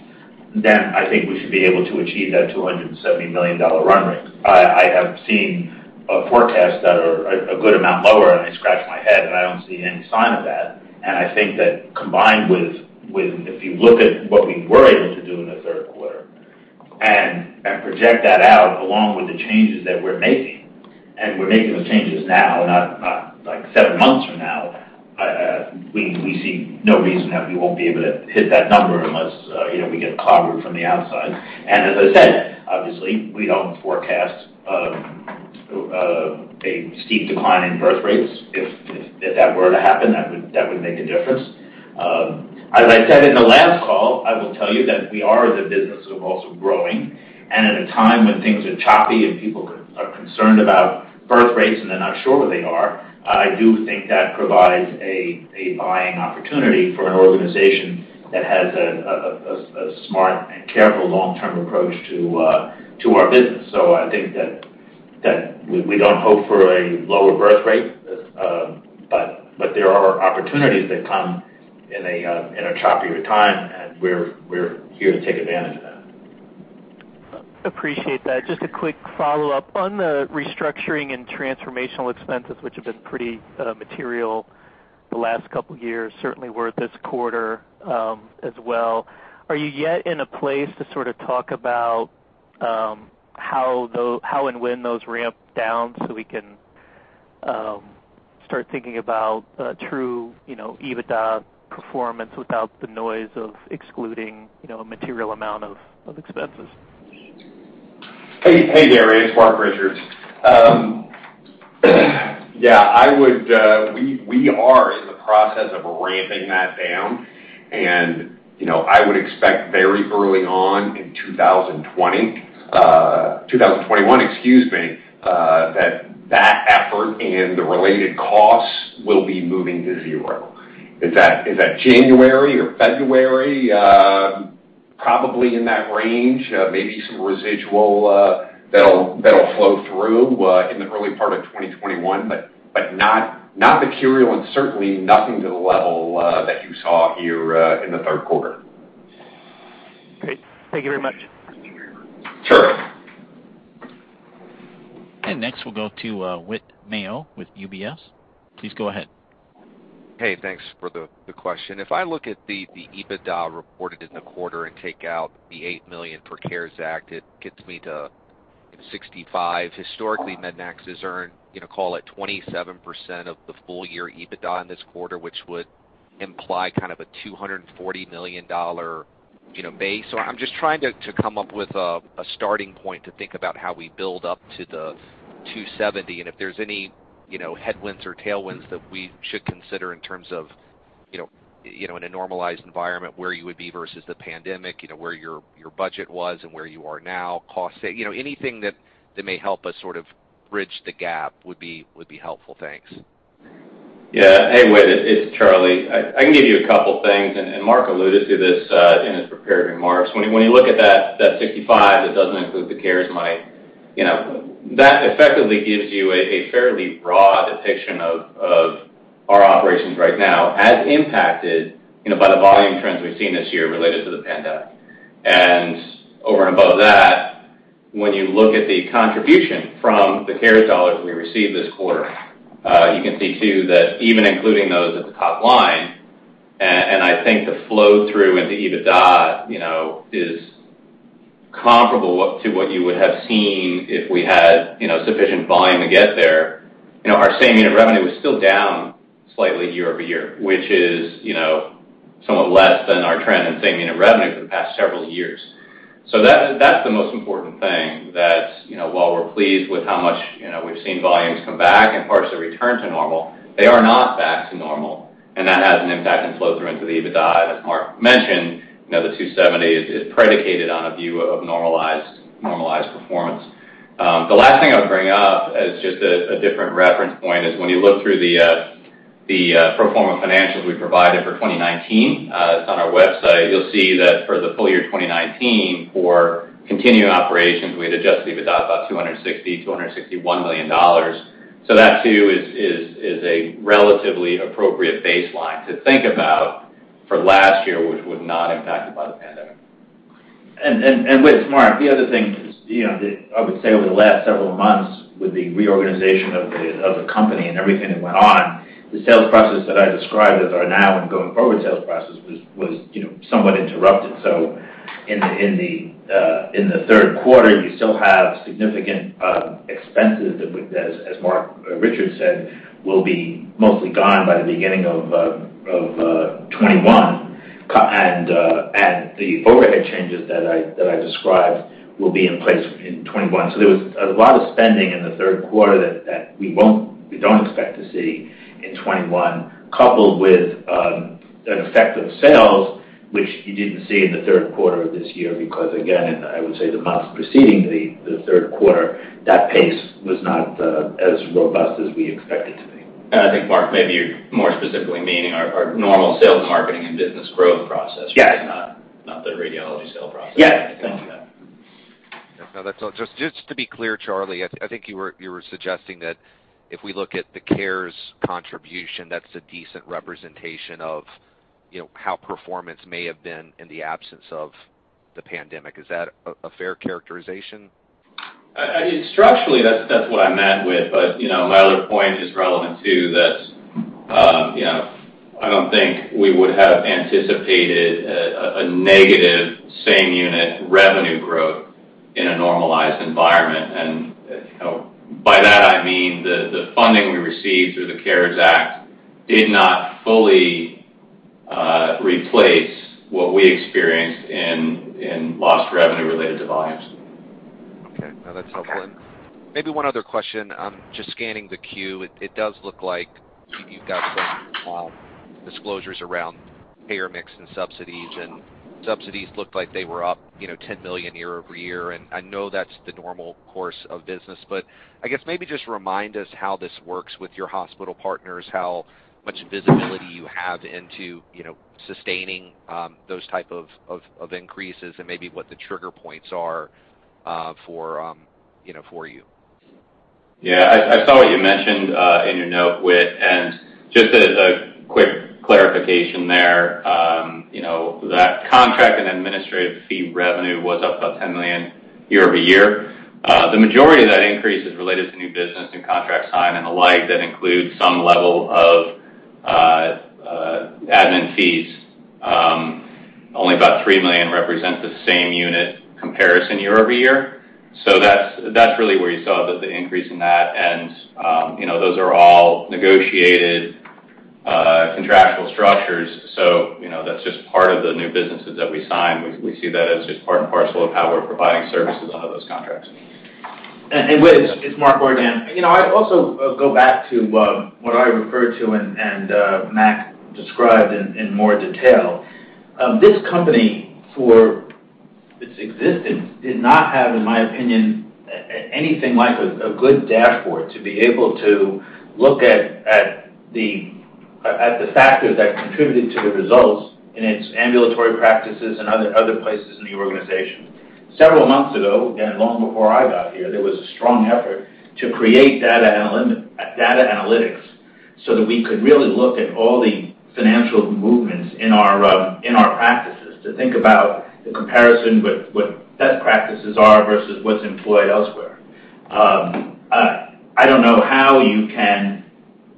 then I think we should be able to achieve that $270 million run rate. I have seen forecasts that are a good amount lower, and I scratch my head, and I don't see any sign of that. I think that combined with, if you look at what we were able to do in the third quarter and project that out, along with the changes that we're making, and we're making those changes now, not seven months from now, we see no reason how we won't be able to hit that number unless we get clobbered from the outside. As I said, obviously, we don't forecast a steep decline in birth rates. If that were to happen, that would make a difference. As I said in the last call, I will tell you that we are in the business of also growing, and at a time when things are choppy and people are concerned about birth rates and they're not sure where they are, I do think that provides a buying opportunity for an organization that has a smart and careful long-term approach to our business. I think that we don't hope for a lower birth rate, but there are opportunities that come in a choppier time, and we're here to take advantage of that. Appreciate that. Just a quick follow-up. On the restructuring and transformational expenses, which have been pretty material the last couple years, certainly were this quarter as well, are you yet in a place to sort of talk about how and when those ramp down? Start thinking about true EBITDA performance without the noise of excluding a material amount of expenses. Hey, Gary. It's Marc Richards. Yeah, we are in the process of ramping that down, and I would expect very early on in 2021, excuse me, that effort and the related costs will be moving to zero. Is that January or February? Probably in that range. Maybe some residual that'll flow through in the early part of 2021, but not material, and certainly nothing to the level that you saw here in the third quarter. Great. Thank you very much. Sure. Next, we'll go to Whit Mayo with UBS. Please go ahead. Hey, thanks for the question. If I look at the EBITDA reported in the quarter and take out the $8 million per CARES Act, it gets me to $65 million. Historically, MEDNAX has earned, call it, 27% of the full-year EBITDA in this quarter, which would imply kind of a $240 million base. I'm just trying to come up with a starting point to think about how we build up to the $270 million, and if there's any headwinds or tailwinds that we should consider in terms of, in a normalized environment, where you would be versus the pandemic, where your budget was and where you are now, anything that may help us sort of bridge the gap would be helpful. Thanks. Yeah. Hey, Whit, it's Charlie. I can give you a couple things, and Mark alluded to this in his prepared remarks. When you look at that 65 that doesn't include the CARES money, that effectively gives you a fairly raw depiction of our operations right now, as impacted by the volume trends we've seen this year related to the pandemic. Over and above that, when you look at the contribution from the CARES dollars we received this quarter, you can see, too, that even including those at the top line, and I think the flow-through into EBITDA is comparable to what you would have seen if we had sufficient volume to get there. Our same unit revenue is still down slightly year-over-year, which is somewhat less than our trend in same unit revenue for the past several years. That's the most important thing, that while we're pleased with how much we've seen volumes come back and parts return to normal, they are not back to normal, and that has an impact in flow-through into the EBITDA. As Mark mentioned, the $270 million is predicated on a view of normalized performance. The last thing I would bring up as just a different reference point is when you look through the pro forma financials we provided for 2019, it's on our website, you'll see that for the full-year 2019, for continuing operations, we had adjusted EBITDA about $260 million, $261 million. That, too, is a relatively appropriate baseline to think about for last year, which was not impacted by the pandemic. Whit, it's Mark. The other thing is, I would say over the last several months with the reorganization of the company and everything that went on, the sales process that I described as our now and going-forward sales process was somewhat interrupted. In the third quarter, you still have significant expenses that, as Marc Richards said, will be mostly gone by the beginning of 2021. The overhead changes that I described will be in place in 2021. There was a lot of spending in the third quarter that we don't expect to see in 2021, coupled with an effect of sales, which you didn't see in the third quarter of this year, because again, in, I would say, the months preceding the third quarter, that pace was not as robust as we expected it to be. I think, Mark, maybe you're more specifically meaning our normal sales marketing and business growth process. Yes not the radiology sale process. Yes. Thank you. No, that's all. Just to be clear, Charlie, I think you were suggesting that if we look at the CARES contribution, that's a decent representation of how performance may have been in the absence of the pandemic. Is that a fair characterization? Structurally, that's what I meant, Whit. My other point is relevant, too, that I don't think we would have anticipated a negative same unit revenue growth in a normalized environment. By that I mean the funding we received through the CARES Act did not fully replace what we experienced in lost revenue related to volumes. Okay. No, that's helpful. Maybe one other question. Just scanning the Form 10-Q, it does look like you've got some disclosures around payer mix and subsidies, and subsidies looked like they were up $10 million year-over-year. I know that's the normal course of business, I guess maybe just remind us how this works with your hospital partners, how much visibility you have into sustaining those type of increases and maybe what the trigger points are for you. Yeah, I saw what you mentioned in your note, Whit. Just as a quick clarification there, that contract and administrative fee revenue was up about $10 million year-over-year. The majority of that increase is related to new business, new contracts signed, and the like. That includes some level of Admin fees. Only about $3 million represents the same unit comparison year-over-year. That's really where you saw the increase in that, and those are all negotiated contractual structures. That's just part of the new businesses that we sign. We see that as just part and parcel of how we're providing services under those contracts. It's Mark Ordan. I'd also go back to what I referred to, and Mack described in more detail. This company, for its existence, did not have, in my opinion, anything like a good dashboard to be able to look at the factors that contributed to the results in its ambulatory practices and other places in the organization. Several months ago, and long before I got here, there was a strong effort to create data analytics so that we could really look at all the financial movements in our practices to think about the comparison with what best practices are versus what's employed elsewhere. I don't know how you can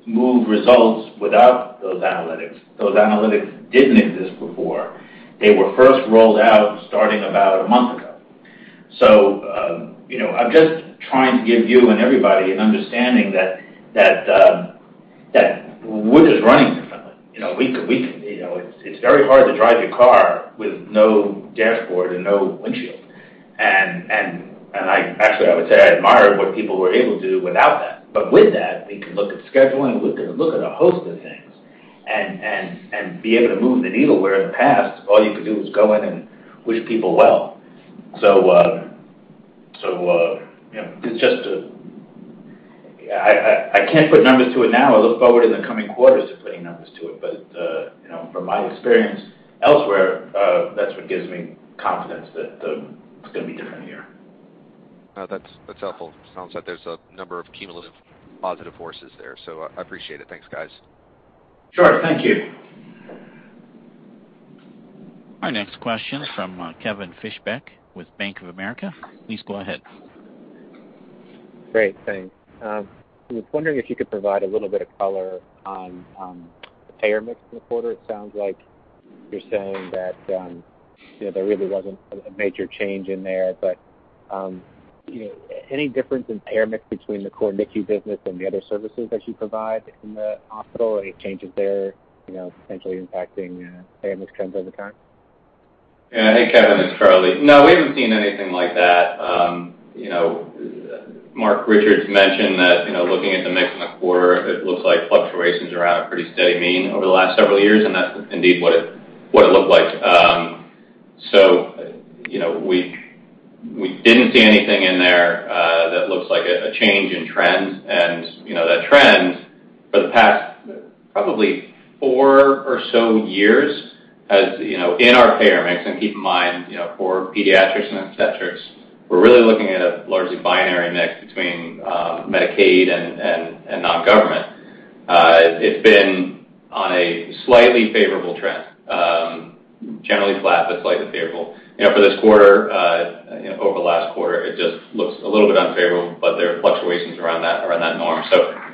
move results without those analytics. Those analytics didn't exist before. They were first rolled out starting about a month ago. I'm just trying to give you and everybody an understanding that wood is running differently. It's very hard to drive your car with no dashboard and no windshield. Actually, I would say I admire what people were able to do without that. With that, we can look at scheduling, we can look at a host of things and be able to move the needle, where in the past, all you could do was go in and wish people well. I can't put numbers to it now. I look forward in the coming quarters to putting numbers to it. From my experience elsewhere, that's what gives me confidence that it's going to be different here. That's helpful. It sounds like there's a number of cumulative positive forces there, so I appreciate it. Thanks, guys. Sure. Thank you. Our next question is from Kevin Fischbeck with Bank of America. Please go ahead. Great. Thanks. I was wondering if you could provide a little bit of color on the payer mix in the quarter. It sounds like you're saying that there really wasn't a major change in there. Any difference in payer mix between the core NICU business and the other services that you provide in the hospital? Any changes there potentially impacting payer mix trends over time? Hey, Kevin. It's Charlie. We haven't seen anything like that. Marc Richards mentioned that looking at the mix in the quarter, it looks like fluctuations around a pretty steady mean over the last several years, and that's indeed what it looked like. We didn't see anything in there that looks like a change in trend. That trend for the past probably four or so years, in our payer mix, and keep in mind, for Pediatrix and obstetrix, we're really looking at a largely binary mix between Medicaid and non-government. It's been on a slightly favorable trend. Generally flat but slightly favorable. For this quarter, over the last quarter, it just looks a little bit unfavorable, but there are fluctuations around that norm.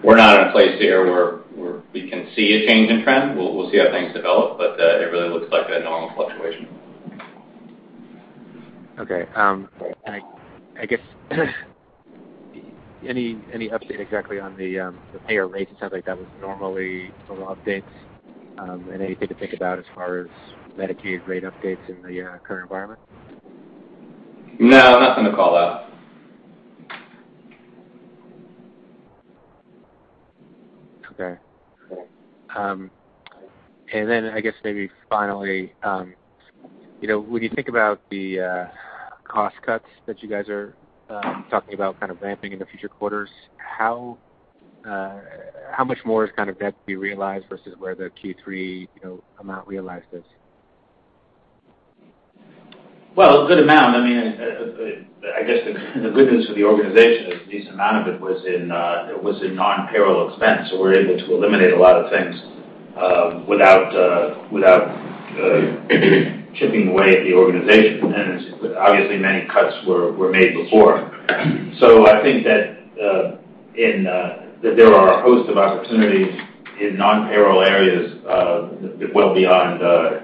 We're not in a place here where we can see a change in trend. We'll see how things develop. It really looks like a normal fluctuation. Okay. I guess, any update exactly on the payer rates? It sounds like that was normally full updates. Anything to think about as far as Medicaid rate updates in the current environment? No, nothing to call out. Okay. I guess maybe finally, when you think about the cost cuts that you guys are talking about ramping in the future quarters, how much more is meant to be realized versus where the Q3 amount realized is? Well, a good amount. I guess the good news for the organization is a decent amount of it was in non-payroll expense. We're able to eliminate a lot of things without chipping away at the organization. Obviously, many cuts were made before. I think that there are a host of opportunities in non-payroll areas well beyond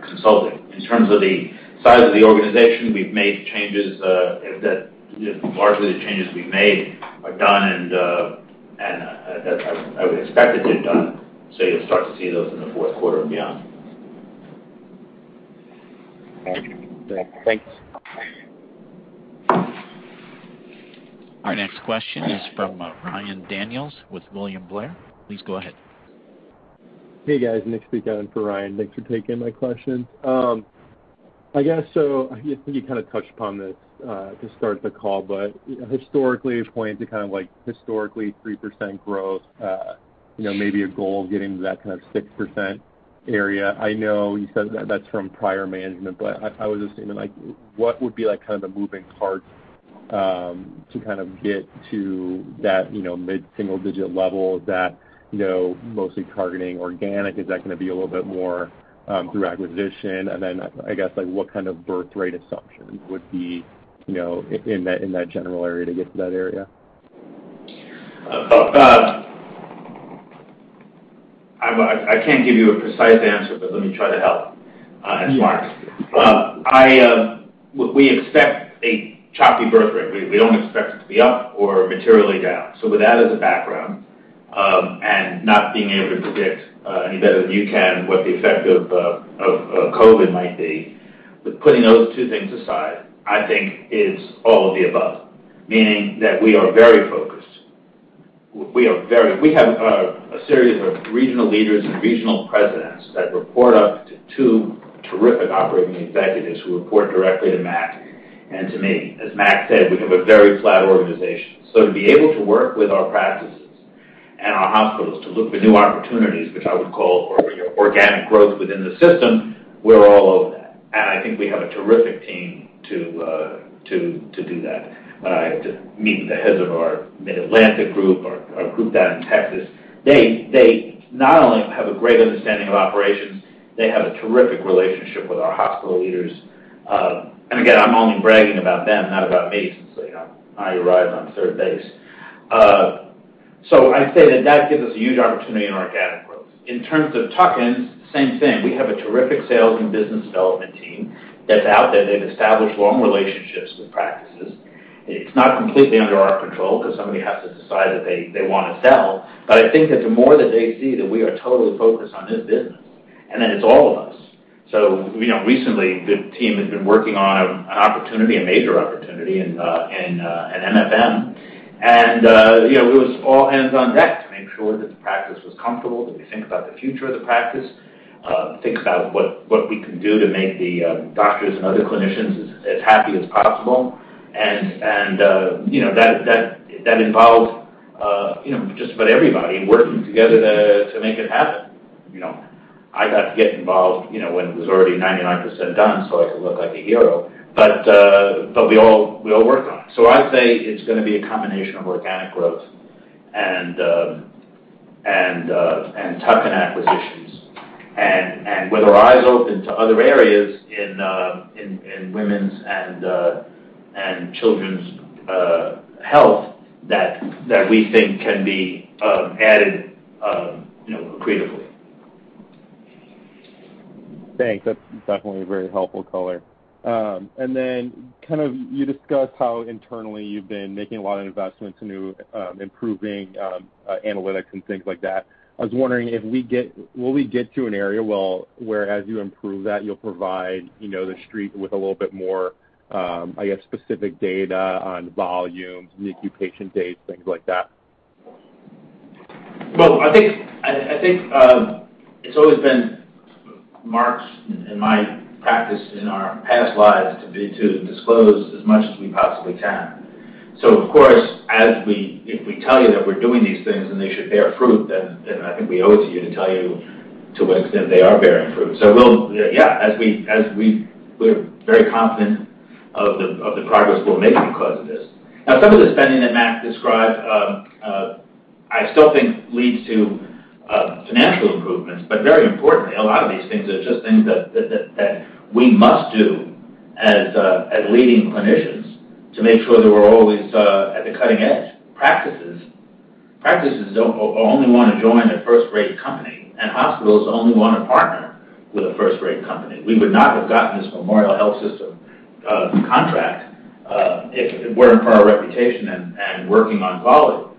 consulting. In terms of the size of the organization, largely the changes we've made are done and I would expect that they're done. You'll start to see those in the fourth quarter and beyond. All right. Thanks. Our next question is from Ryan Daniels with William Blair. Please go ahead. Hey, guys. Nick Spiekhout for Ryan. Thanks for taking my question. I guess you kind of touched upon this to start the call, but historically, you pointed to historically 3% growth, maybe a goal of getting to that kind of 6% area. I know you said that's from prior management, but I was just thinking, what would be the moving parts to get to that mid-single-digit level? Is that mostly targeting organic? Is that going to be a little bit more through acquisition? Then, I guess, what kind of birth rate assumption would be in that general area to get to that area? I can't give you a precise answer, but let me try to help. Yeah We expect a choppy birth rate. We don't expect it to be up or materially down. With that as a background, and not being able to predict, any better than you can, what the effect of COVID might be. Putting those two things aside, I think it's all of the above. Meaning that we are very focused. We have a series of regional leaders and regional presidents that report up to two terrific operating executives who report directly to Mack and to me. As Mack said, we have a very flat organization. To be able to work with our practices and our hospitals to look for new opportunities, which I would call organic growth within the system, we're all of that. I think we have a terrific team to do that. I meet with the heads of our Mid-Atlantic group, our group down in Texas. They not only have a great understanding of operations, they have a terrific relationship with our hospital leaders. Again, I'm only bragging about them, not about me, since I arrive on third base. I say that that gives us a huge opportunity in organic growth. In terms of tuck-ins, same thing. We have a terrific sales and business development team that's out there. They've established long relationships with practices. It's not completely under our control because somebody has to decide that they want to sell. I think that the more that they see that we are totally focused on this business, and that it's all of us. Recently, the team has been working on an opportunity, a major opportunity in MFM. It was all hands on deck to make sure that the practice was comfortable, that we think about the future of the practice, think about what we can do to make the doctors and other clinicians as happy as possible. That involved just about everybody working together to make it happen. I got to get involved when it was already 99% done, so I could look like a hero. We all worked on it. I'd say it's going to be a combination of organic growth and tuck-in acquisitions. With our eyes open to other areas in women's and children's health that we think can be added accretively. Thanks. That's definitely a very helpful color. Then you discuss how internally you've been making a lot of investments into improving analytics and things like that. I was wondering, will we get to an area where as you improve that, you'll provide the street with a little bit more specific data on volumes, the acute patient dates, things like that? Well, I think it's always been Mack's and my practice in our past lives to disclose as much as we possibly can. Of course, if we tell you that we're doing these things and they should bear fruit, then I think we owe it to you to tell you to what extent they are bearing fruit. We're very confident of the progress we're making because of this. Now, some of the spending that Mack described, I still think leads to financial improvements. Very importantly, a lot of these things are just things that we must do as leading clinicians to make sure that we're always at the cutting edge. Practices only want to join a first-rate company, and hospitals only want to partner with a first-rate company. We would not have gotten this Memorial Health System contract if it weren't for our reputation and working on quality.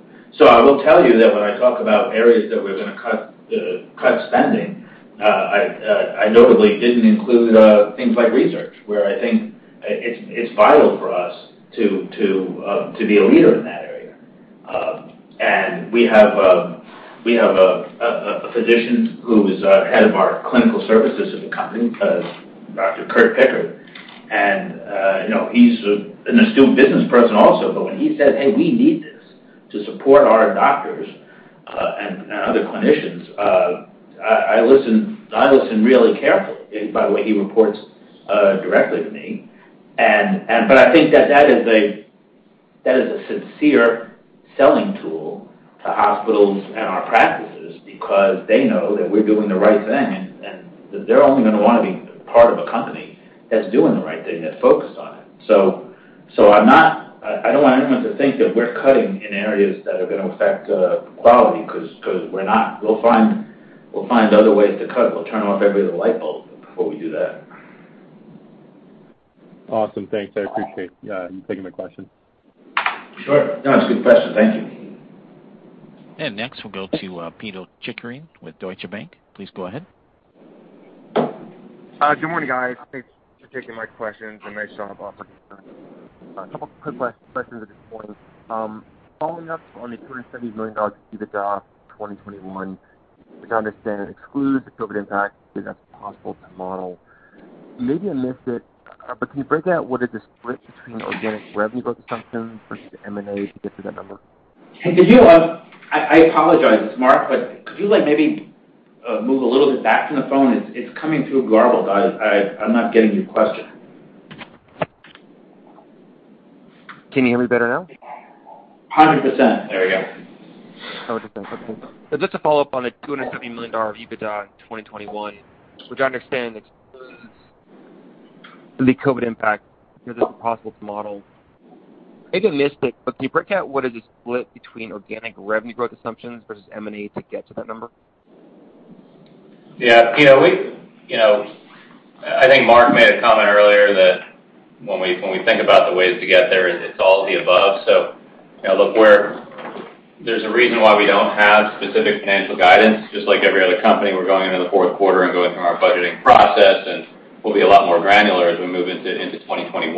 I will tell you that when I talk about areas that we're going to cut spending, I notably didn't include things like research, where I think it's vital for us to be a leader in that area. We have a physician who is Head of Clinical Services at the company, Dr. Curt Pickert. He's an astute business person also. When he says, Hey, we need this to support our doctors and other clinicians, I listen really carefully. By the way, he reports directly to me. I think that is a sincere selling tool to hospitals and our practices because they know that we're doing the right thing, and they're only going to want to be part of a company that's doing the right thing, that's focused on it. I don't want anyone to think that we're cutting in areas that are going to affect quality, because we're not. We'll find other ways to cut. We'll turn off every other light bulb before we do that. Awesome. Thanks. I appreciate you taking my question. Sure. No, that's a good question. Thank you. Next, we'll go to Pito Chickering with Deutsche Bank. Please go ahead. Good morning, guys. Thanks for taking my question. Ramesh here. A couple of quick questions at this point. Following up on the $270 million EBITDA 2021, which I understand excludes the COVID impact, if that's possible to model. Maybe I missed it, but can you break out what is the split between organic revenue growth assumptions versus the M&A to get to that number? I apologize. It's Mark. Could you maybe move a little bit back from the phone? It's coming through garbled. I'm not getting your question. Can you hear me better now? 100%. There you go. 100%. Okay. Just a follow-up on the $270 million of EBITDA in 2021, which I understand, the COVID impact, because it's impossible to model. Maybe I missed it, but can you break out what is the split between organic revenue growth assumptions versus M&A to get to that number? Yeah. I think Mark made a comment earlier that when we think about the ways to get there, it's all of the above. There's a reason why we don't have specific financial guidance. Just like every other company, we're going into the fourth quarter and going through our budgeting process, and we'll be a lot more granular as we move into 2021.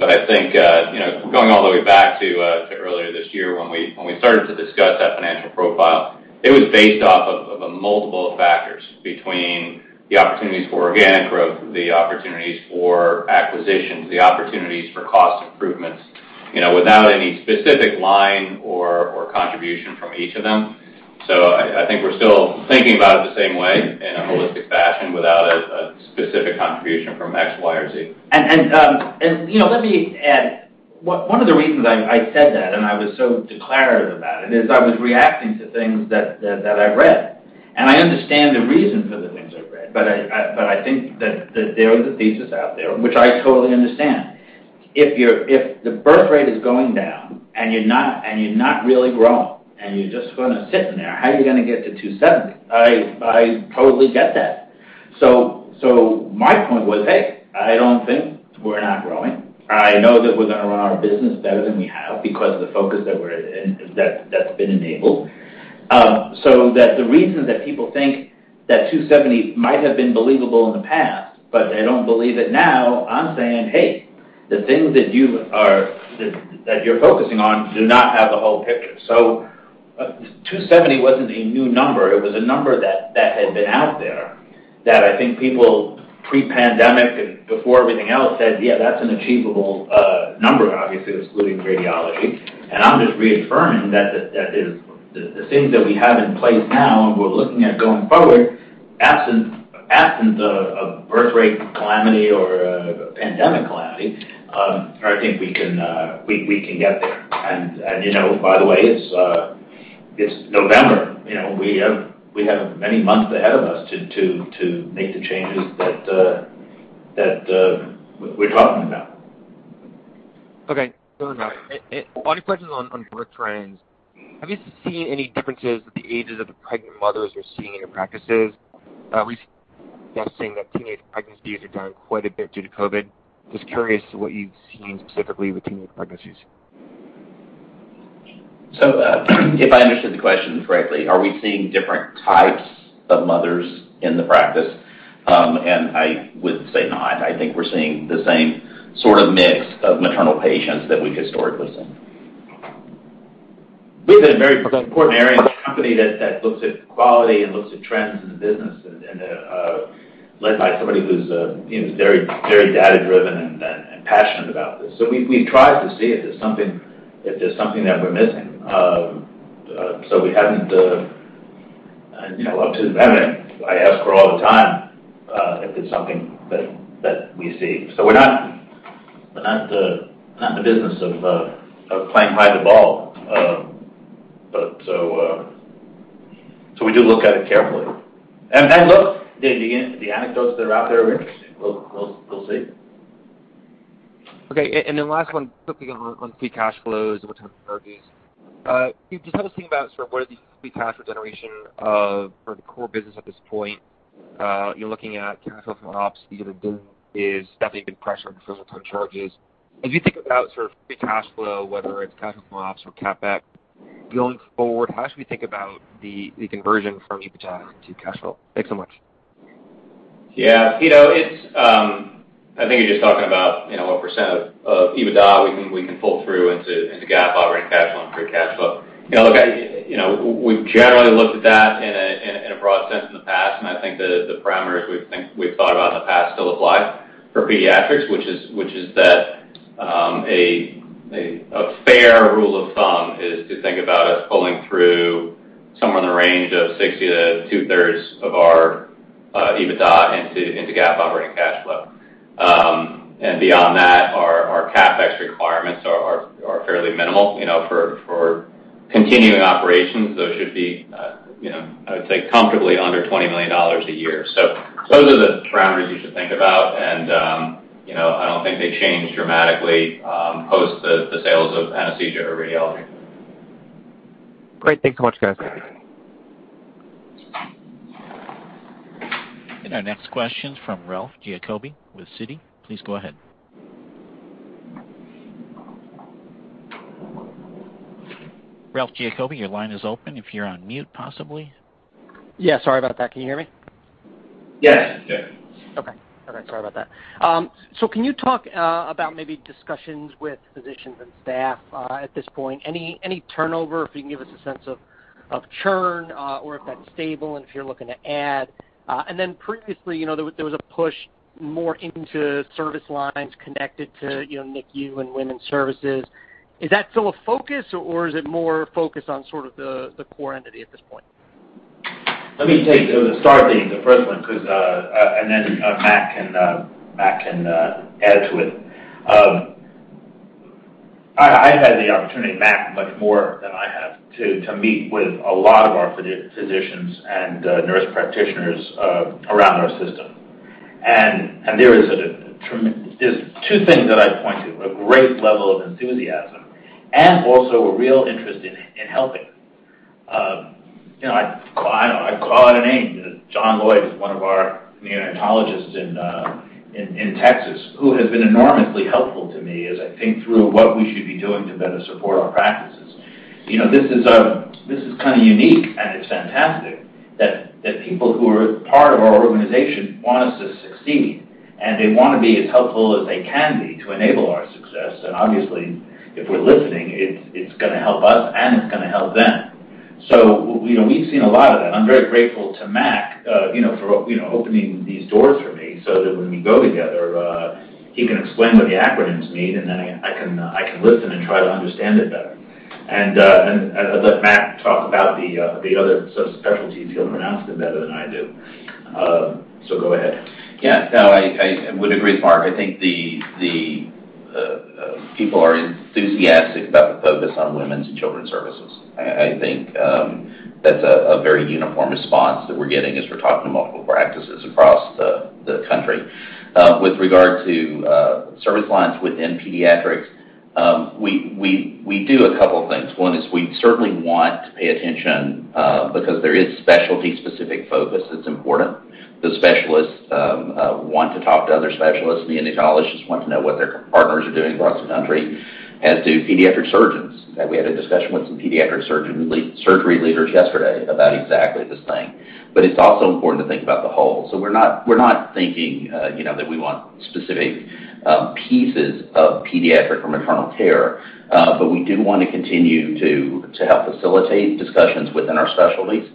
I think, going all the way back to earlier this year when we started to discuss that financial profile, it was based off of a multiple of factors between the opportunities for organic growth, the opportunities for acquisitions, the opportunities for cost improvements, without any specific line or contribution from each of them. I think we're still thinking about it the same way in a holistic fashion without a specific contribution from X, Y, or Z. Let me add, one of the reasons I said that and I was so declarative about it is I was reacting to things that I read. I understand the reason for the things I've read, but I think that there is a thesis out there, which I totally understand. If the birth rate is going down and you're not really growing and you're just going to sit in there, how are you going to get to $270 million? I totally get that. My point was, hey, I don't think we're not growing. I know that we're going to run our business better than we have because of the focus that's been enabled. That the reason that people think that $270 million might have been believable in the past, but they don't believe it now, I'm saying, Hey, the things that you're focusing on do not have the whole picture. $270 million wasn't a new number. It was a number that had been out there that I think people pre-pandemic and before everything else said, Yeah, that's an achievable number, obviously excluding radiology. I'm just reaffirming that the things that we have in place now and we're looking at going forward, absent a birth rate calamity or a pandemic calamity, I think we can get there. By the way, it's November. We have many months ahead of us to make the changes that we're talking about. Okay. Fair enough. Follow-up questions on birth trends. Have you seen any differences with the ages of the pregnant mothers you're seeing in your practices? We've seen that teenage pregnancies are down quite a bit due to COVID. Just curious what you've seen specifically with teenage pregnancies. If I understood the question correctly, are we seeing different types of mothers in the practice? I would say not. I think we're seeing the same sort of mix of maternal patients that we historically have seen. This is a very important area of the company that looks at quality and looks at trends in the business, and led by somebody who's very data-driven and passionate about this. We've tried to see if there's something that we're missing. We haven't Up to the pandemic, I ask her all the time if it's something that we see. We're not in the business of playing hide the ball. We do look at it carefully. Look, the anecdotes that are out there are interesting. We'll see. Okay, last one quickly on free cash flows and return on revenues. Can you just tell us thinking about sort of what are the free cash flow generation for the core business at this point? You're looking at cash flow from ops beca`use there definitely been pressure on fulfillment charges. As you think about sort of free cash flow, whether it's cash flow from ops or CapEx, going forward, how should we think about the conversion from EBITDA to cash flow? Thanks so much. Yeah. I think you're just talking about what % of EBITDA we can pull through into GAAP operating cash flow and free cash flow. We've generally looked at that in a broad sense in the past, and I think the parameters we've thought about in the past still apply for Pediatrix, which is that a fair rule of thumb is to think about us pulling through somewhere in the range of 60% to 2/3 of our EBITDA into GAAP operating cash flow. Beyond that, our CapEx requirements are fairly minimal. For continuing operations, those should be, I would say, comfortably under $20 million a year. Those are the parameters you should think about, and I don't think they change dramatically post the sales of anesthesia or radiology. Great. Thank so much, guys. Our next question's from Ralph Giacobbe with Citi. Please go ahead. Ralph Giacobbe, your line is open if you're on mute, possibly. Yeah, sorry about that. Can you hear me? Yes. Yeah. Okay. Sorry about that. Can you talk about maybe discussions with physicians and staff at this point? Any turnover, if you can give us a sense of churn or if that's stable and if you're looking to add. Previously, there was a push more into service lines connected to NICU and women's services. Is that still a focus or is it more focused on sort of the core entity at this point? Let me take the start thing, the first one, and then Mack can add to it. I've had the opportunity, Mack, much more than I have, to meet with a lot of our physicians and nurse practitioners around our system. There's two things that I'd point to, a great level of enthusiasm and also a real interest in helping. I call out a name, John Loyd is one of our neonatologists in Texas who has been enormously helpful to me as I think through what we should be doing to better support our practices. This is kind of unique, and it's fantastic that people who are part of our organization want us to succeed, and they want to be as helpful as they can be to enable our success. Obviously, if we're listening, it's going to help us, and it's going to help them. We've seen a lot of that. I'm very grateful to Mack for opening these doors for me so that when we go together, he can explain what the acronyms mean, and then I can listen and try to understand it better. I'll let Mack talk about the other subspecialties. He'll pronounce it better than I do. Go ahead. Yeah, no, I would agree with Mark. I think the people are enthusiastic about the focus on women's and children's services. I think that's a very uniform response that we're getting as we're talking to multiple practices across the country. With regard to service lines within Pediatrix, we do a couple things. One is we certainly want to pay attention because there is specialty specific focus that's important. The specialists want to talk to other specialists, the endocrinologists want to know what their partners are doing across the country, as do pediatric surgeons. We had a discussion with some pediatric surgery leaders yesterday about exactly this thing. It's also important to think about the whole. We're not thinking that we want specific pieces of pediatric or maternal care. We do want to continue to help facilitate discussions within our specialties.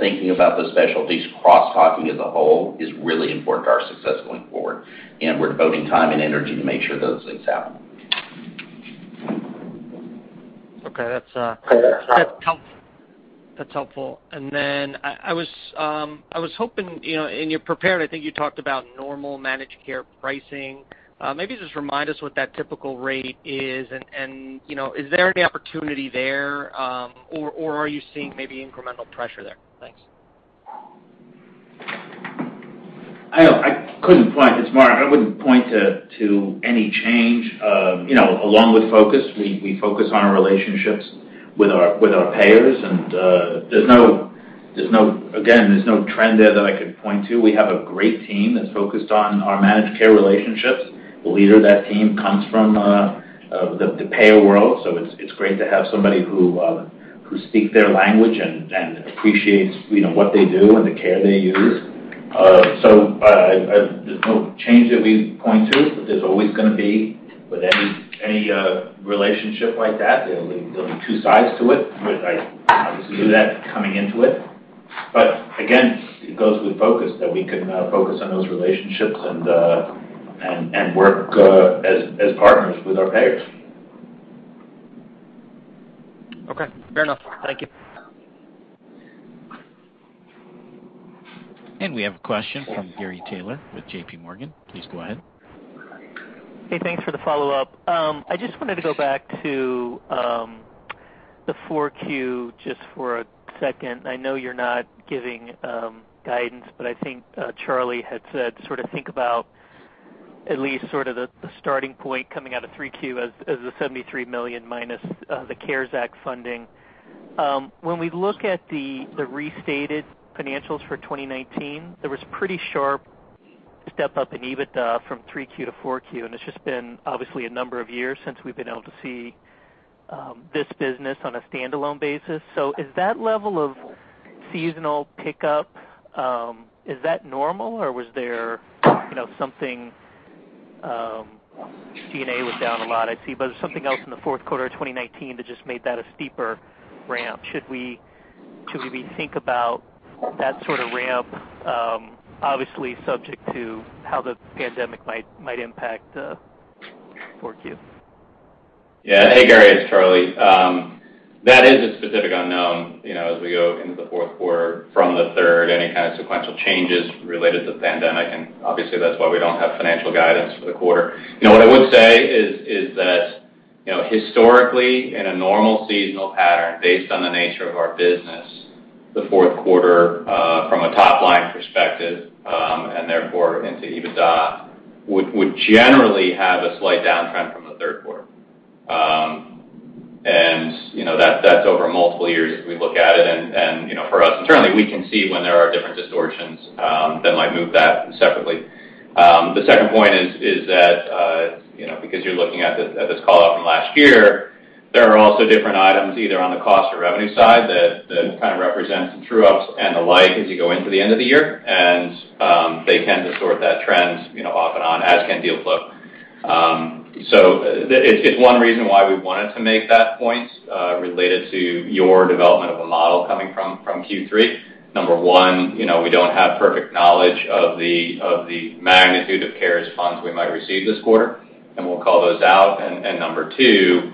Thinking about those specialties cross-talking as a whole is really important to our success going forward, and we're devoting time and energy to make sure those things happen. Okay, that's helpful. I was hoping, in your prepared, I think you talked about normal managed care pricing. Maybe just remind us what that typical rate is, and is there any opportunity there, or are you seeing maybe incremental pressure there? Thanks. It's Mark. I wouldn't point to any change. Along with focus, we focus on our relationships with our payers. Again, there's no trend there that I could point to. We have a great team that's focused on our managed care relationships. The leader of that team comes from the payer world. It's great to have somebody who speak their language and appreciates what they do and the care they use. There's no change that we point to. There's always going to be with any relationship like that, there'll be two sides to it. I obviously knew that coming into it. Again, it goes with focus that we can focus on those relationships and work as partners with our payers. Okay, fair enough. Thank you. We have a question from Gary Taylor with JPMorgan. Please go ahead. Thanks for the follow-up. I just wanted to go back to the 4Q just for a second. I know you're not giving guidance, but I think Charlie had said sort of think about at least sort of the starting point coming out of 3Q as the $73 million minus the CARES Act funding. When we look at the restated financials for 2019, there was pretty sharp step-up in EBITDA from 3Q-4Q. It's just been obviously a number of years since we've been able to see this business on a standalone basis. Is that level of seasonal pickup, is that normal, or was there something RAD was down a lot, I see, but there's something else in the 4Q of 2019 that just made that a steeper ramp? Should we think about that sort of ramp, obviously subject to how the pandemic might impact 4Q? Yeah. Hey, Gary, it's Charlie. That is a specific unknown as we go into the fourth quarter from the third, any kind of sequential changes related to the pandemic, obviously, that's why we don't have financial guidance for the quarter. What I would say is that historically, in a normal seasonal pattern, based on the nature of our business, the fourth quarter, from a top-line perspective, and therefore into EBITDA, would generally have a slight downtrend from the third quarter. That's over multiple years as we look at it. For us internally, we can see when there are different distortions that might move that separately. The second point is that because you're looking at this call-out from last year, there are also different items, either on the cost or revenue side that kind of represents the true ups and the like as you go into the end of the year. They tend to sort that trend off and on, as can deal flow. It's one reason why we wanted to make that point related to your development of a model coming from Q3. Number one, we don't have perfect knowledge of the magnitude of CARES Act funds we might receive this quarter, and we'll call those out. Number two,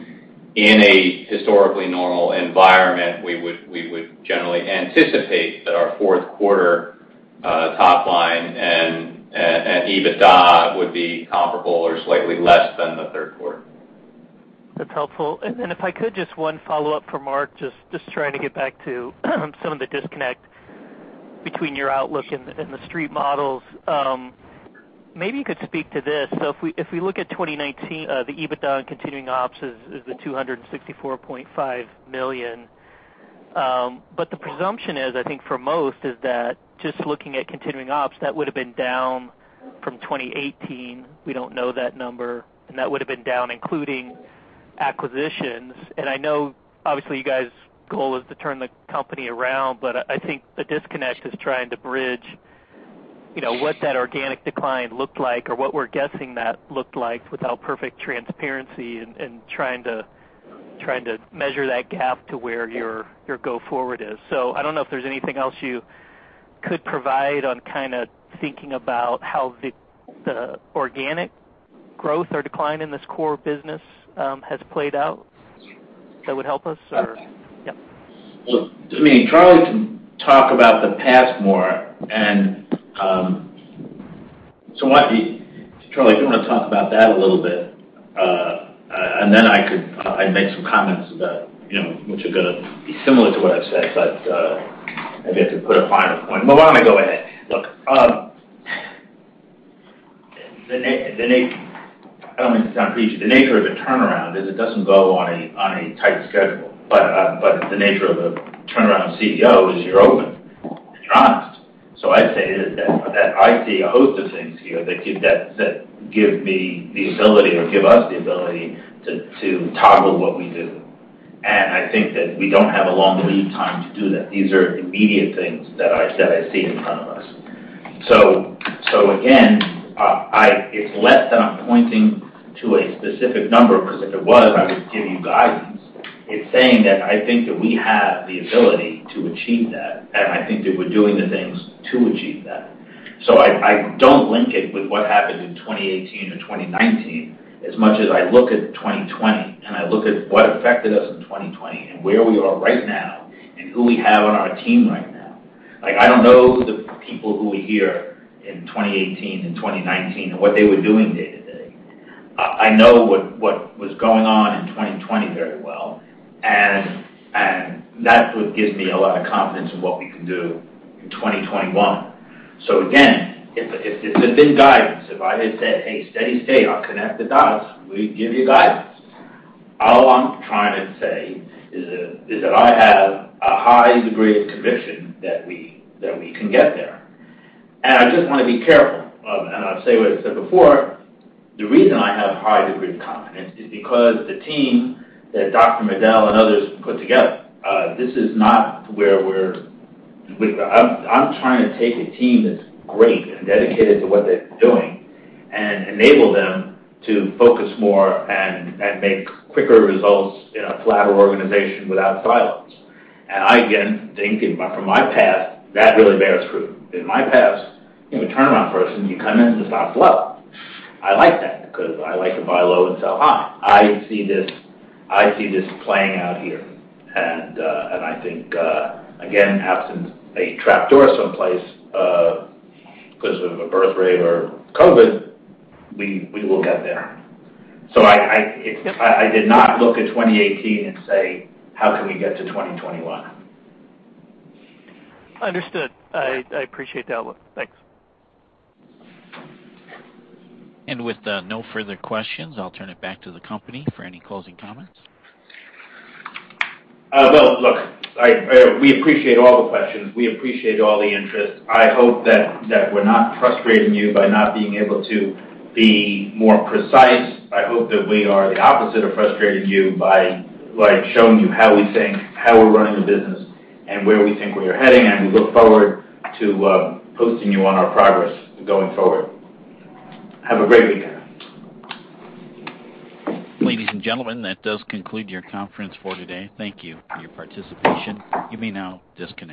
in a historically normal environment, we would generally anticipate that our fourth quarter top line EBITDA would be comparable or slightly less than the third quarter. That's helpful. Then if I could, just one follow-up for Mark, just trying to get back to some of the disconnect between your outlook and the street models. Maybe you could speak to this. If we look at 2019, the EBITDA in continuing ops is the $264.5 million. The presumption is, I think for most, is that just looking at continuing ops, that would've been down from 2018. We don't know that number, and that would've been down, including acquisitions. I know obviously you guys' goal is to turn the company around, but I think the disconnect is trying to bridge what that organic decline looked like or what we're guessing that looked like without perfect transparency, and trying to measure that gap to where your go forward is. I don't know if there's anything else you could provide on thinking about how the organic growth or decline in this core business has played out that would help us. Okay. Yep. Well, I mean, Charlie can talk about the past more. Charlie, if you want to talk about that a little bit, and then I could make some comments which are going to be similar to what I've said, but maybe I could put a final point. Well, why don't I go ahead? Look, I don't mean to sound preachy. The nature of a turnaround is it doesn't go on a tight schedule. The nature of a turnaround CEO is you're open and you're honest. I'd say that I see a host of things here that give me the ability or give us the ability to toggle what we do. I think that we don't have a long lead time to do that. These are immediate things that I see in front of us. Again, it's less that I'm pointing to a specific number, because if it was, I would give you guidance. It's saying that I think that we have the ability to achieve that, and I think that we're doing the things to achieve that. I don't link it with what happened in 2018 or 2019 as much as I look at 2020 and I look at what affected us in 2020 and where we are right now and who we have on our team right now. I don't know the people who were here in 2018 and 2019 and what they were doing day-to-day. I know what was going on in 2020 very well and that's what gives me a lot of confidence in what we can do in 2021. Again, if this had been guidance, if I had said, Hey, steady state, I'll connect the dots, we'd give you guidance. All I'm trying to say is that I have a high degree of conviction that we can get there. I just want to be careful. I'll say what I said before, the reason I have a high degree of confidence is because the team that Dr. Medel and others put together. I'm trying to take a team that's great and dedicated to what they're doing and enable them to focus more and make quicker results in a flatter organization without silos. I, again, think from my past, that really bears fruit. In my past, you're a turnaround person, you come in and the stocks low. I like that because I like to buy low and sell high. I see this playing out here and I think, again, absent a trap door someplace, because of a birth rate or COVID, we will get there. Yep I did not look at 2018 and say, How can we get to 2021? Understood. I appreciate the outlook. Thanks. With no further questions, I'll turn it back to the company for any closing comments. Well, look, we appreciate all the questions. We appreciate all the interest. I hope that we're not frustrating you by not being able to be more precise. I hope that we are the opposite of frustrating you by showing you how we think, how we're running the business, and where we think we are heading, and we look forward to posting you on our progress going forward. Have a great weekend. Ladies and gentlemen, that does conclude your conference for today. Thank you for your participation. You may now disconnect.